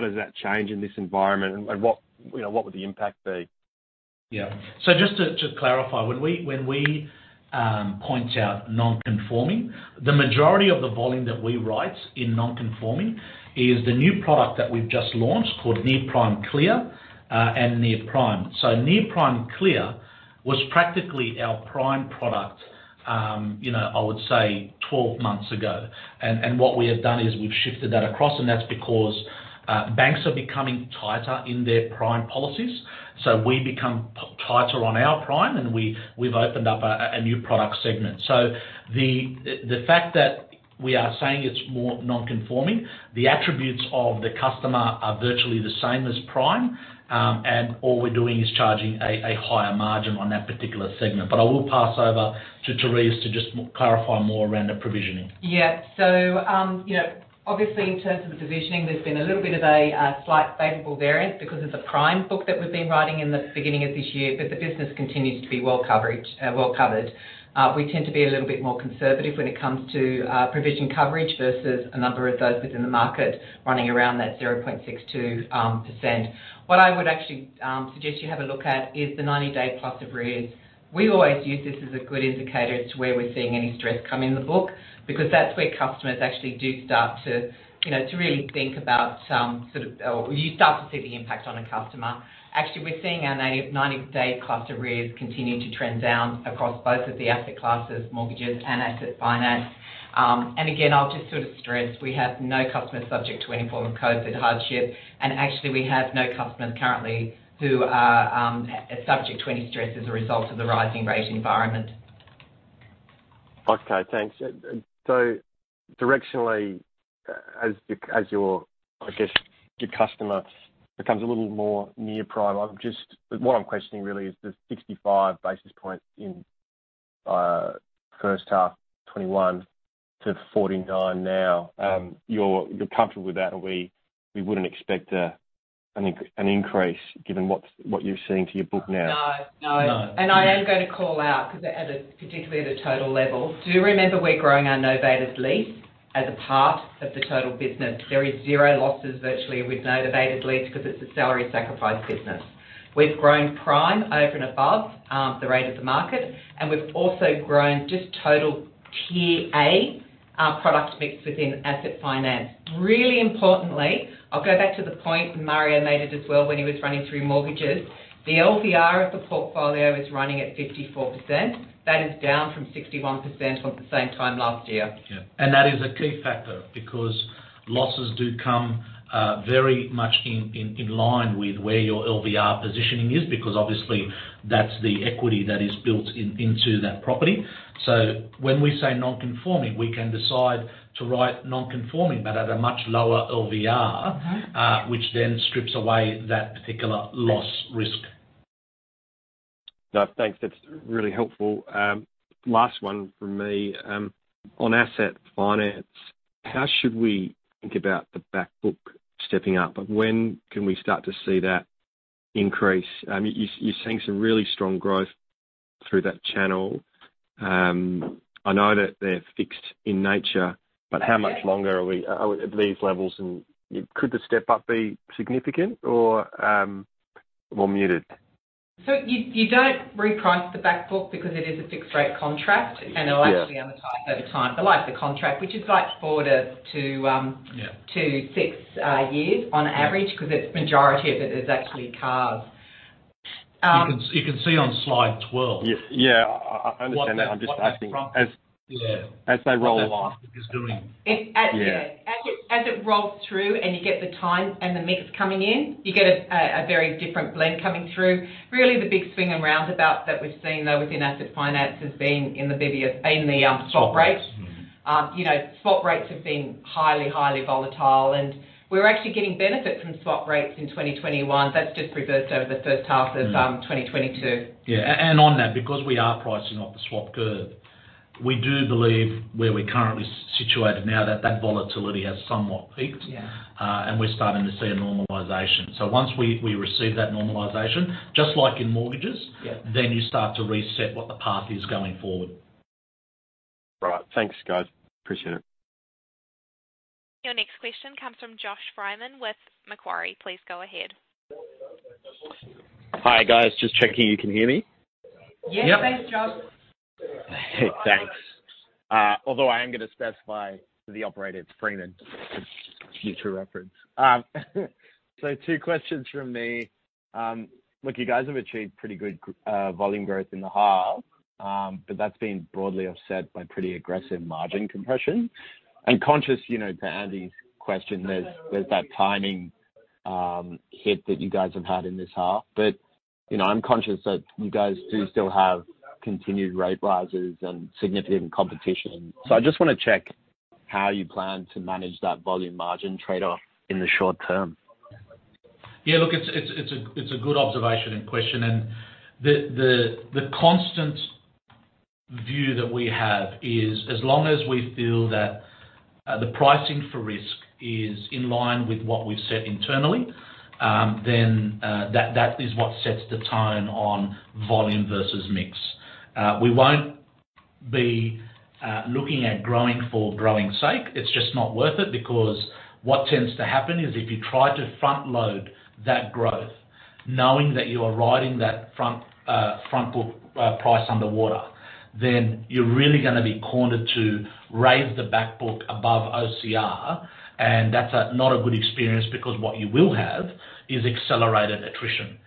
does that change in this environment and what would the impact be? Yeah. Just to clarify, when we point out non-conforming, the majority of the volume that we write in non-conforming is the new product that we've just launched called Near Prime Clear and Near Prime. Near Prime Clear was practically our Prime product, you know, I would say 12 months ago. What we have done is we've shifted that across, and that's because banks are becoming tighter in their Prime policies. We become tighter on our Prime, and we've opened up a new product segment. The fact that we are saying it's more non-conforming, the attributes of the customer are virtually the same as Prime. And all we're doing is charging a higher margin on that particular segment. I will pass over to Therese to just clarify more around the provisioning. Yeah, you know, obviously in terms of the provisioning, there's been a little bit of a slight favorable variance because of the Prime book that we've been writing in the beginning of this year, but the business continues to be well covered. We tend to be a little bit more conservative when it comes to provision coverage versus a number of those within the market running around that 0.62%. What I would actually suggest you have a look at is the 90-day plus arrears. We always use this as a good indicator to where we're seeing any stress come in the book, because that's where customers actually do start to really think about some sort of, or you start to see the impact on a customer. Actually, we're seeing our 90-day plus arrears continuing to trend down across both of the asset classes, mortgages and asset finance. Again, I'll just sort of stress, we have no customers subject to any form of COVID hardship. Actually, we have no customers currently who are subject to any stress as a result of the rising rate environment. Okay, thanks. Directionally, as your customer becomes a little more Near Prime, I guess, what I'm questioning really is the 65 basis points in first half 2021 to 49 now. You're comfortable with that, or we wouldn't expect an increase given what you're seeing to your book now? No. No. No. I am gonna call out because particularly at a total level, do remember we're growing our novated lease as a part of the total business. There is zero losses virtually with novated lease because it's a salary sacrifice business. We've grown Prime over and above the rate of the market, and we've also grown just total Tier A product mix within asset finance. Really importantly, I'll go back to the point, and Mario made it as well when he was running through mortgages. The LVR of the portfolio is running at 54%. That is down from 61% from the same time last year. Yeah. That is a key factor because losses do come very much in line with where your LVR positioning is, because obviously, that's the equity that is built into that property. When we say non-conforming, we can decide to write non-conforming but at a much lower LVR- Mm-hmm. which then strips away that particular loss risk. No, thanks. That's really helpful. Last one from me. On asset finance, how should we think about the back book stepping up? When can we start to see that increase? You, you're seeing some really strong growth through that channel. I know that they're fixed in nature. Yeah. How much longer are we at these levels and could the step-up be significant or more muted? You don't reprice the back book because it is a fixed rate contract, and it'll actually amortize over time. The life of the contract, which is like four to Yeah. to six years on average, because the majority of it is actually cars. You can see on slide 12. Yeah. Yeah. I understand that. I'm just asking as- Yeah. As they roll off. What that is doing. It-- A-and- Yeah. As it rolls through and you get the time and the mix coming in, you get a very different blend coming through. Really, the big swing around about that we've seen, though, within asset finance has been in the BBSW, in the swap rates. You know, swap rates have been highly volatile. We're actually getting benefit from swap rates in 2021. That's just reversed over the first half of 2022. On that, because we are pricing off the swap curve, we do believe where we're currently situated now that that volatility has somewhat peaked. Yeah. We're starting to see a normalization. Once we receive that normalization, just like in mortgages. Yeah. you start to reset what the path is going forward. Right. Thanks, guys. Appreciate it. Your next question comes from Josh Freiman with Macquarie. Please go ahead. Hi, guys. Just checking you can hear me. Yeah. Yeah. Thanks, Josh. Thanks. Although I am gonna specify to the operator it's Freiman for future reference. So two questions from me. Look, you guys have achieved pretty good volume growth in the half, but that's been broadly offset by pretty aggressive margin compression. I'm conscious, you know, to Andy's question, there's that timing hit that you guys have had in this half. You know, I'm conscious that you guys do still have continued rate rises and significant competition. I just wanna check how you plan to manage that volume margin trade-off in the short term. Yeah, look, it's a good observation and question. The constant view that we have is as long as we feel that the pricing for risk is in line with what we've set internally, then that is what sets the tone on volume versus mix. We won't be looking at growing for growing's sake. It's just not worth it because what tends to happen is if you try to front load that growth knowing that you are riding that front book price underwater, then you're really gonna be cornered to raise the back book above OCR, and that's not a good experience because what you will have is accelerated attrition.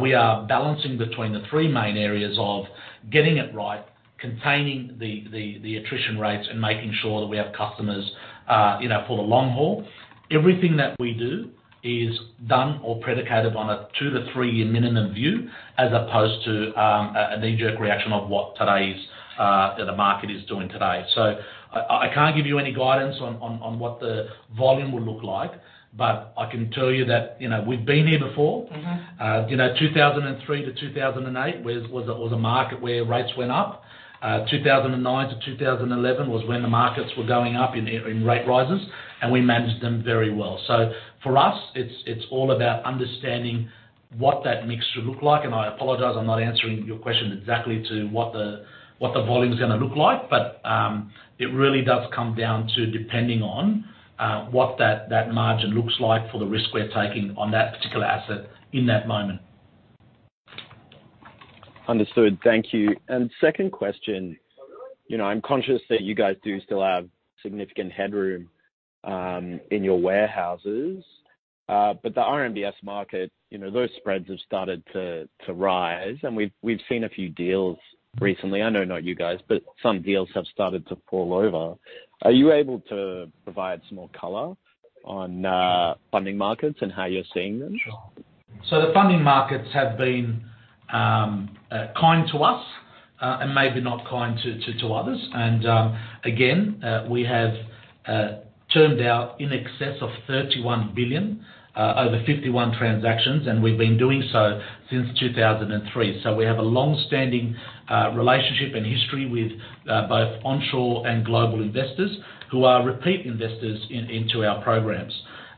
We are balancing between the three main areas of getting it right, containing the attrition rates, and making sure that we have customers, you know, for the long haul. Everything that we do is done or predicated on a two to three-year minimum view as opposed to a knee-jerk reaction of what today's market is doing today. I can't give you any guidance on what the volume will look like, but I can tell you that, you know, we've been here before. Mm-hmm. You know, 2003-2008 was a market where rates went up. 2009-2011 was when the markets were going up in rate rises, and we managed them very well. For us, it's all about understanding what that mix should look like. I apologize, I'm not answering your question exactly to what the volume's gonna look like. It really does come down to depending on what that margin looks like for the risk we're taking on that particular asset in that moment. Understood. Thank you. Second question. You know, I'm conscious that you guys do still have significant headroom in your warehouses. But the RMBS market, you know, those spreads have started to rise, and we've seen a few deals recently. I know not you guys, but some deals have started to fall over. Are you able to provide some more color on funding markets and how you're seeing them? Sure. The funding markets have been kind to us, and maybe not kind to others. Again, we have termed out in excess of 31 billion over 51 transactions, and we've been doing so since 2003. We have a long-standing relationship and history with both onshore and global investors who are repeat investors into our programs.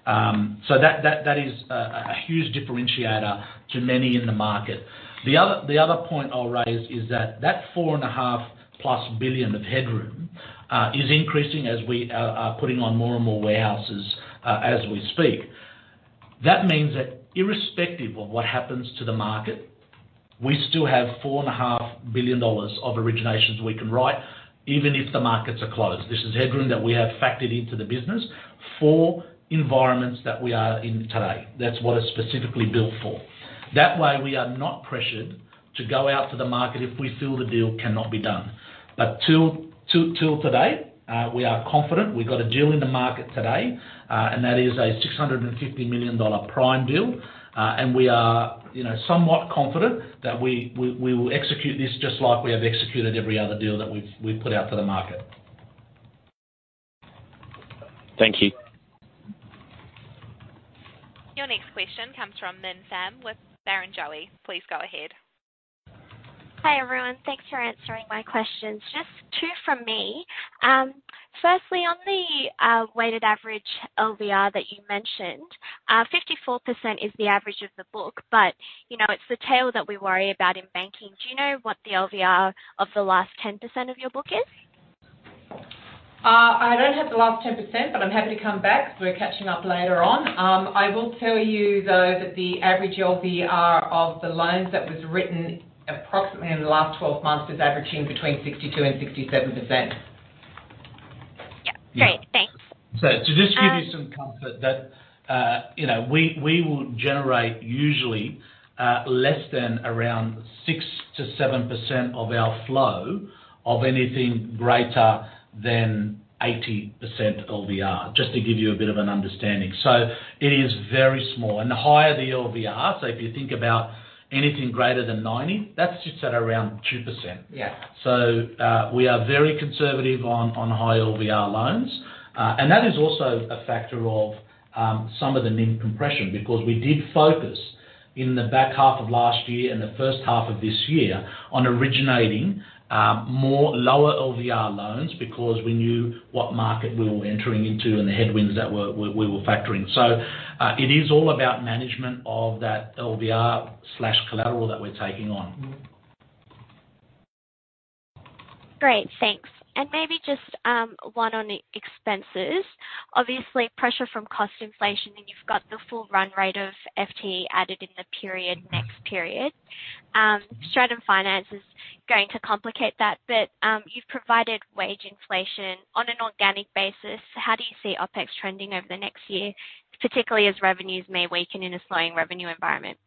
That is a huge differentiator to many in the market. The other point I'll raise is that that 4.5+ billion of headroom is increasing as we are putting on more and more warehouses as we speak. That means that irrespective of what happens to the market, we still have 4.5 billion dollars of originations we can write even if the markets are closed. This is headroom that we have factored into the business for environments that we are in today. That's what it's specifically built for. That way we are not pressured to go out to the market if we feel the deal cannot be done. Till today, we are confident. We got a deal in the market today, and that is a 650 million dollar prime deal. We are, you know, somewhat confident that we will execute this just like we have executed every other deal that we've put out to the market. Thank you. Your next question comes from Minh Pham with Barrenjoey. Please go ahead. Hi, everyone. Thanks for answering my questions. Just two from me. Firstly, on the weighted average LVR that you mentioned, 54% is the average of the book, but, you know, it's the tail that we worry about in banking. Do you know what the LVR of the last 10% of your book is? I don't have the last 10%, but I'm happy to come back if we're catching up later on. I will tell you, though, that the average LVR of the loans that was written approximately in the last 12 months is averaging between 62% and 67%. Yeah. Great. Thanks. To just give you some comfort that, you know, we will generate usually, less than around 6%-7% of our flow of anything greater than 80% LVR, just to give you a bit of an understanding. It is very small. The higher the LVR, so if you think about anything greater than 90%, that's just at around 2%. Yeah. We are very conservative on high LVR loans. That is also a factor of some of the NIM compression because we did focus in the back half of last year and the first half of this year on originating more lower LVR loans because we knew what market we were entering into and the headwinds that we were factoring. It is all about management of that LVR/collateral that we're taking on. Great, thanks. Maybe just one on the expenses. Obviously pressure from cost inflation, and you've got the full run rate of FTE added in the period, next period. Stratton is going to complicate that. You've provided wage inflation on an organic basis. How do you see OpEx trending over the next year, particularly as revenues may weaken in a slowing revenue environment?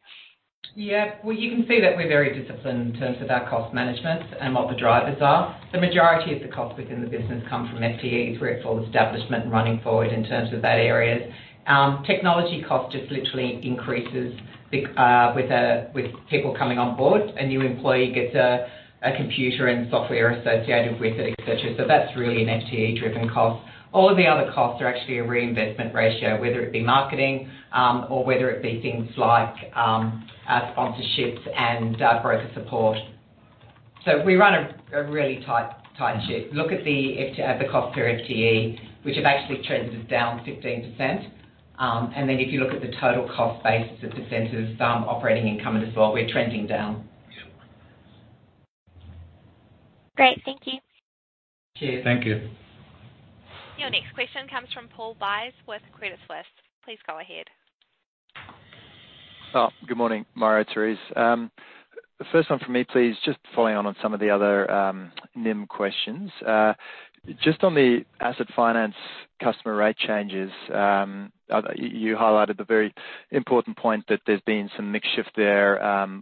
Yeah. Well, you can see that we're very disciplined in terms of our cost management and what the drivers are. The majority of the costs within the business come from FTE through full establishment running forward in terms of that area. Technology cost just literally increases with people coming on board. A new employee gets a computer and software associated with it, et cetera. That's really an FTE-driven cost. All of the other costs are actually a reinvestment ratio, whether it be marketing, or whether it be things like, sponsorships and, broker support. We run a really tight ship. Look at the cost per FTE, which have actually trended down 15%. If you look at the total cost base as a percentage of operating income as well, we're trending down. Great. Thank you. Cheers. Thank you. Your next question comes from Paul Buys with Credit Suisse. Please go ahead. Oh, good morning, Mario, Therese. First one for me, please. Just following on some of the other NIM questions. Just on the asset finance customer rate changes, you highlighted the very important point that there's been some mix shift there,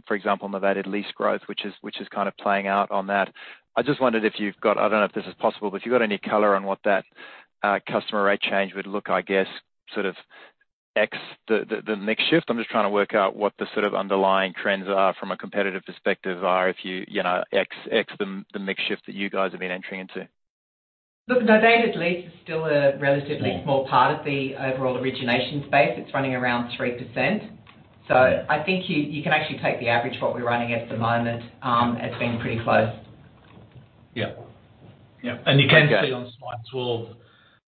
for example, novated lease growth, which is kind of playing out on that. I just wondered if you've got any color on what that customer rate change would look, I guess, sort of ex the mix shift. I'm just trying to work out what the sort of underlying trends are from a competitive perspective if you know ex the mix shift that you guys have been entering into. Look, novated lease is still a relatively small part of the overall origination space. It's running around 3%. I think you can actually take the average what we're running at the moment as being pretty close. Yeah. Yeah. Okay. You can see on slide 12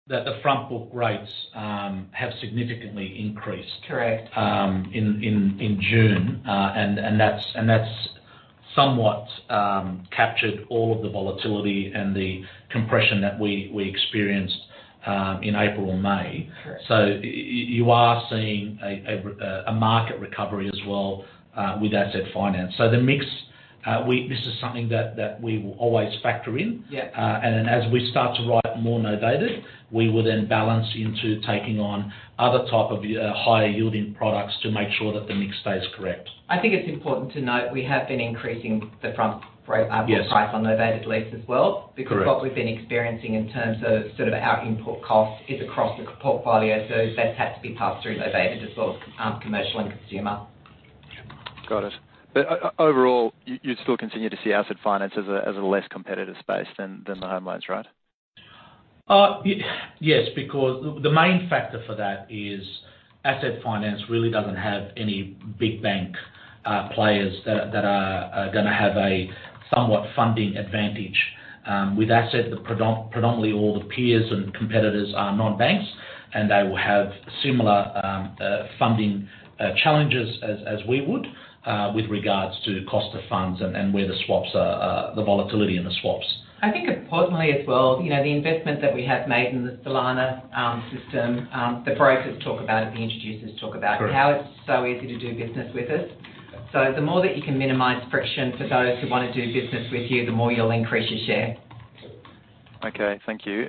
that the front book rates have significantly increased. Correct In June. That's somewhat captured all of the volatility and the compression that we experienced in April and May. Correct. You are seeing a market recovery as well with asset finance. The mix. This is something that we will always factor in. Yeah. As we start to write more novated, we will then balance into taking on other type of higher yielding products to make sure that the mix stays correct. I think it's important to note we have been increasing the front book. Yes Price on novated lease as well. Correct. Because what we've been experiencing in terms of sort of our input cost is across the portfolio, so that's had to be passed through novated as well as, commercial and consumer. Got it. Overall, you'd still continue to see asset finance as a less competitive space than the home loans, right? Yes, because the main factor for that is asset finance really doesn't have any big bank players that are gonna have a somewhat funding advantage. With assets, predominantly all the peers and competitors are non-banks, and they will have similar funding challenges as we would with regards to cost of funds and where the swaps are, the volatility in the swaps. I think importantly as well, you know, the investment that we have made in the Solana system, the brokers talk about it, the introducers talk about. Sure how it's so easy to do business with us. The more that you can minimize friction for those who wanna do business with you, the more you'll increase your share. Okay. Thank you.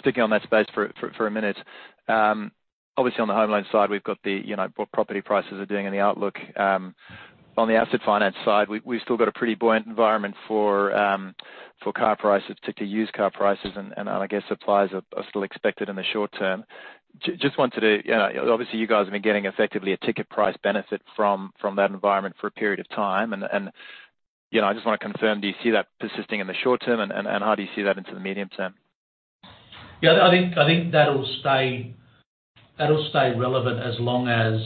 Sticking on that space for a minute. Obviously on the home loan side, we've got, you know, what property prices are doing and the outlook. On the asset finance side, we've still got a pretty buoyant environment for car prices, particularly used car prices. I guess supplies are still expected in the short term. Just wanted to. You know, obviously, you guys have been getting effectively a ticket price benefit from that environment for a period of time. You know, I just wanna confirm, do you see that persisting in the short term? How do you see that into the medium term? Yeah, I think that'll stay relevant as long as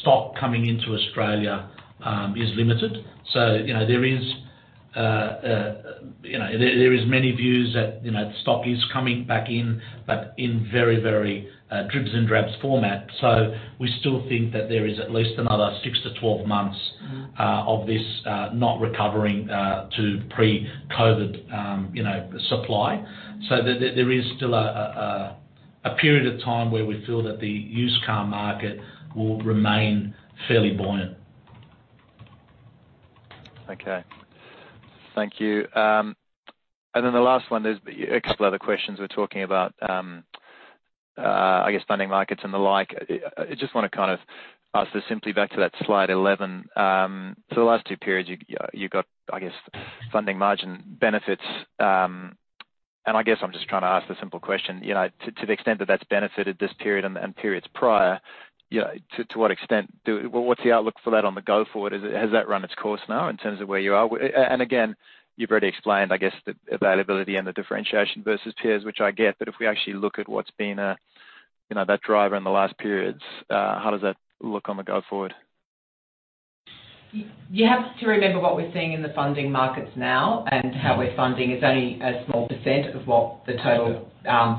stock coming into Australia is limited. You know, there is many views that, you know, stock is coming back in, but in very dribs and drabs format. We still think that there is at least another six-12 months. Mm-hmm of this not recovering to pre-COVID, you know, supply. There is still a period of time where we feel that the used car market will remain fairly buoyant. Okay. Thank you. Then the last one, there's a couple other questions we're talking about, I guess funding markets and the like. I just wanna kind of ask this simply back to that slide 11. So the last two periods, you got, I guess, funding margin benefits. I guess I'm just trying to ask the simple question, you know, to the extent that that's benefited this period and periods prior, you know, to what extent... What's the outlook for that going forward? Has that run its course now in terms of where you are? Again, you've already explained, I guess the availability and the differentiation versus peers, which I get. If we actually look at what's been, you know, that driver in the last periods, how does that look going forward? You have to remember what we're seeing in the funding markets now and how we're funding. It's only a small percent of what the total- Sure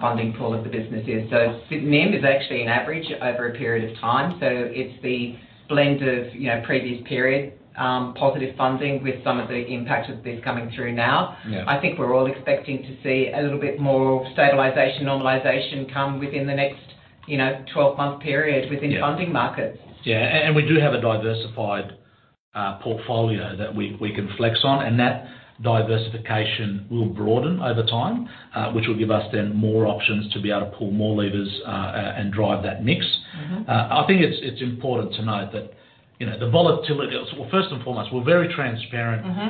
funding pool of the business is. NIM is actually an average over a period of time. It's the blend of, you know, previous period, positive funding with some of the impact of this coming through now. Yeah. I think we're all expecting to see a little bit more stabilization, normalization come within the next, you know, 12-month period. Yeah within funding markets. Yeah. We do have a diversified portfolio that we can flex on, and that diversification will broaden over time, which will give us more options to be able to pull more levers, and drive that mix. Mm-hmm. I think it's important to note that, you know, the volatility. Well, first and foremost, we're very transparent. Mm-hmm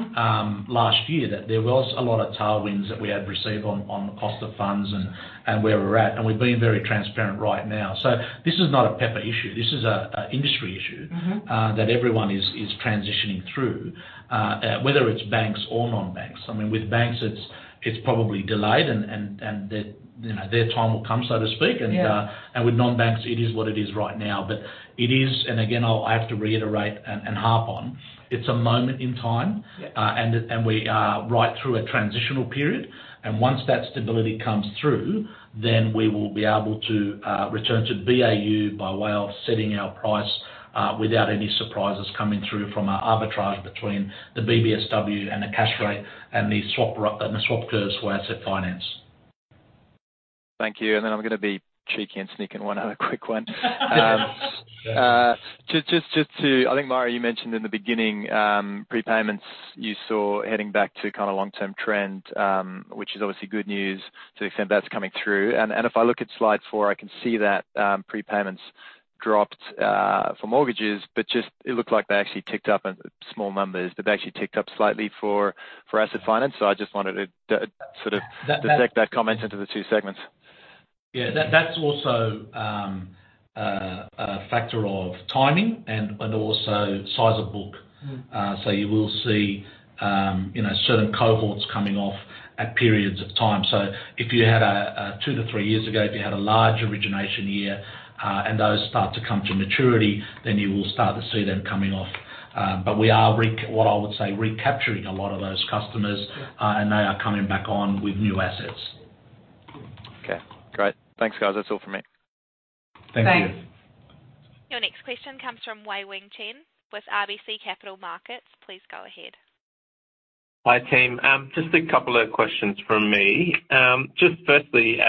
last year that there was a lot of tailwinds that we had received on the cost of funds and where we're at. We're being very transparent right now. This is not a Pepper issue. This is an industry issue. Mm-hmm that everyone is transitioning through, whether it's banks or non-banks. I mean, with banks it's probably delayed and their, you know, their time will come, so to speak. Yeah. With non-banks, it is what it is right now. It is, and again, I have to reiterate and harp on, it's a moment in time. Yeah. We are right through a transitional period, and once that stability comes through, then we will be able to return to BAU by way of setting our price without any surprises coming through from our arbitrage between the BBSW and the cash rate. Sure the swap curves for asset finance. Thank you. I'm gonna be cheeky and sneak in one other quick one. I think, Mario, you mentioned in the beginning, prepayments you saw heading back to kind of long-term trend, which is obviously good news to the extent that's coming through. If I look at slide four, I can see that, prepayments dropped for mortgages, but it looked like they actually ticked up in small numbers. Did they actually ticked up slightly for asset finance? I just wanted to sort of That. Dissect that comment into the two segments. Yeah. That's also a factor of timing and also size of book. Mm. You will see, you know, certain cohorts coming off at periods of time. If you had a large origination year two-three years ago, and those start to come to maturity, then you will start to see them coming off. But we are, what I would say, recapturing a lot of those customers. Yeah They are coming back on with new assets. Okay. Great. Thanks, guys. That's all from me. Thank you. Thanks. Your next question comes from Wei-Weng Chen with RBC Capital Markets. Please go ahead. Hi, team. Just a couple of questions from me. Just firstly,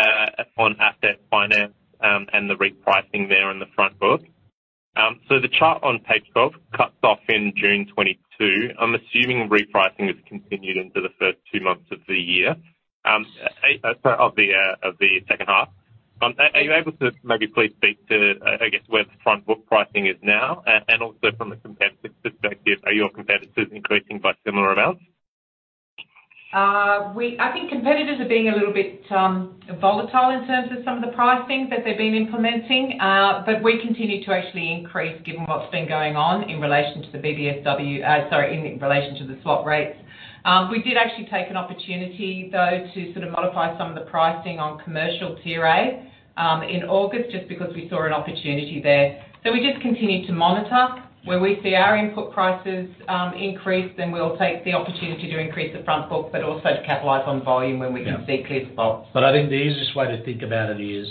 on asset finance, and the repricing there in the front book. So the chart on page 12 cuts off in June 2022. I'm assuming repricing has continued into the first two months of the year, sorry, of the second half. Are you able to maybe please speak to, I guess, where the front book pricing is now and also from a competitive perspective, are your competitors increasing by similar amounts? I think competitors are being a little bit volatile in terms of some of the pricing that they've been implementing. We continue to actually increase given what's been going on in relation to the BBSW. Sorry, in relation to the swap rates. We did actually take an opportunity though to sort of modify some of the pricing on commercial CRE in August just because we saw an opportunity there. We just continue to monitor. Yeah. Where we see our input prices increase, then we'll take the opportunity to increase the front book, but also to capitalize on volume when we can. Yeah see clear spots. I think the easiest way to think about it is,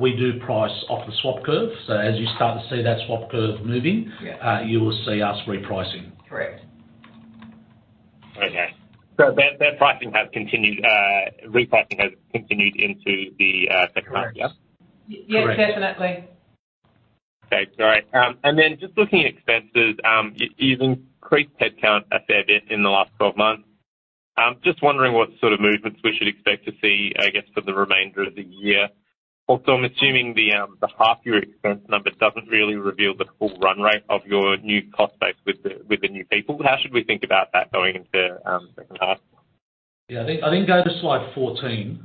we do price off the swap curve. As you start to see that swap curve moving. Yeah You will see us repricing. Correct. Okay. That pricing has continued, repricing has continued into the second half, yeah? Correct. Yes, definitely. Correct. Just looking at expenses, you've increased headcount a fair bit in the last 12 months. Just wondering what sort of movements we should expect to see, I guess, for the remainder of the year. Also, I'm assuming the half year expense number doesn't really reveal the full run rate of your new cost base with the new people. How should we think about that going into the second half? I think go to slide 14,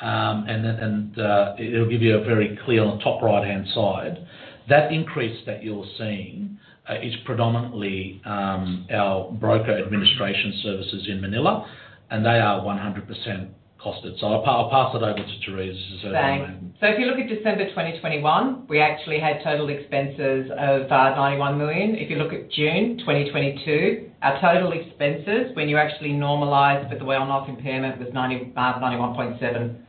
and then it'll give you a very clear on the top right-hand side. That increase that you're seeing is predominantly our broker administration services in Manila, and they are 100% costed. I'll pass it over to Therese to sort of Thanks. If you look at December 2021, we actually had total expenses of 91 million. If you look at June 2022, our total expenses when you actually normalize for the one-off impairment was 91.7 million.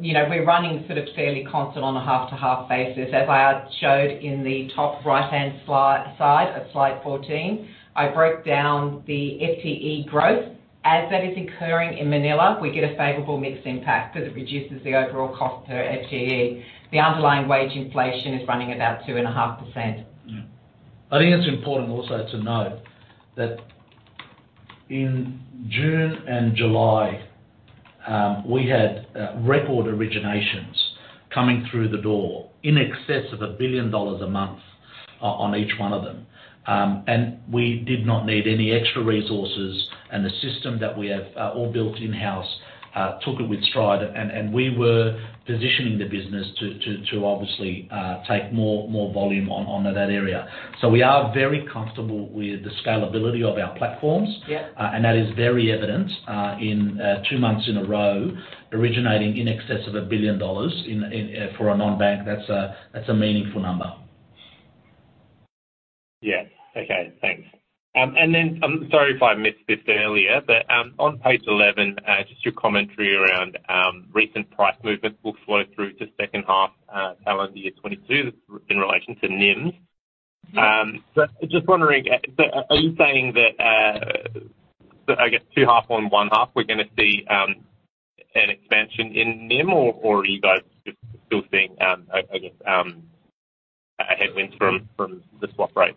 You know, we're running sort of fairly constant on a half to half basis. As I showed in the top right-hand slide 14, I broke down the FTE growth. As that is occurring in Manila, we get a favorable mix impact because it reduces the overall cost per FTE. The underlying wage inflation is running about 2.5%. Yeah. I think it's important also to note that in June and July, we had record originations coming through the door in excess of 1 billion dollars a month on each one of them. We did not need any extra resources, and the system that we have, all built in-house, took it in stride. We were positioning the business to obviously take more volume on to that area. We are very comfortable with the scalability of our platforms. Yeah. That is very evident in two months in a row originating in excess of 1 billion dollars for a non-bank. That's a meaningful number. Yeah. Okay, thanks. Sorry if I missed this earlier, but on page 11, just your commentary around recent price movements will flow through to second half, calendar year 2022 in relation to NIMs. But just wondering, are you saying that, I guess second half on first half, we're gonna see an expansion in NIM or are you guys just still seeing, I guess, a headwind from the swap rate?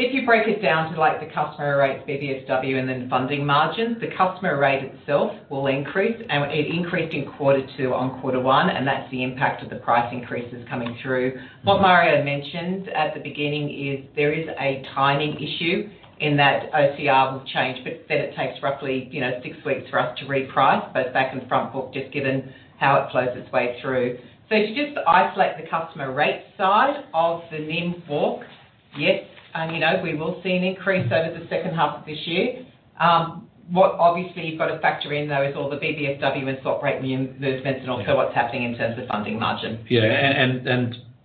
If you break it down to, like, the customer rates, BBSW and then funding margins, the customer rate itself will increase. It increased in quarter two on quarter one, and that's the impact of the price increases coming through. What Mario mentioned at the beginning is there is a timing issue in that OCR will change, but then it takes roughly, you know, six weeks for us to reprice both back and front book, just given how it flows its way through. If you just isolate the customer rate side of the NIM walk, yes, you know, we will see an increase over the second half of this year. What obviously you've got to factor in, though, is all the BBSW and swap rate movements and also what's happening in terms of funding margin.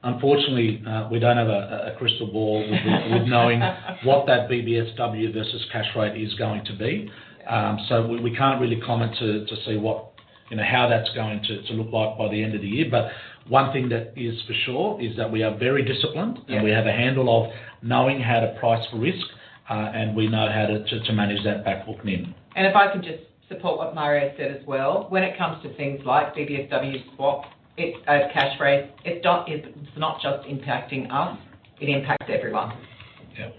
Unfortunately, we don't have a crystal ball with knowing what that BBSW versus cash rate is going to be. We can't really comment to see what, you know, how that's going to look like by the end of the year. One thing that is for sure is that we are very disciplined. Yeah. We have a handle on knowing how to price for risk, and we know how to manage that back book NIM. If I can just support what Mario said as well. When it comes to things like BBSW swap, cash rate, it's not just impacting us, it impacts everyone. Yeah.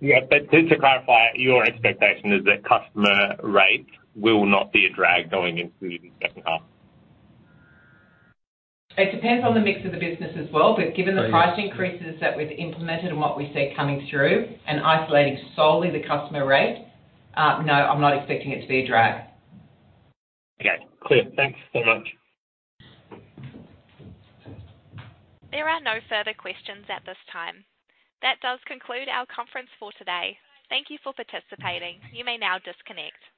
Yeah. Just to clarify, your expectation is that customer rates will not be a drag going into the second half? It depends on the mix of the business as well, but given the price increases that we've implemented and what we see coming through and isolating solely the customer rate, no, I'm not expecting it to be a drag. Okay, clear. Thanks so much. There are no further questions at this time. That does conclude our conference for today. Thank you for participating. You may now disconnect.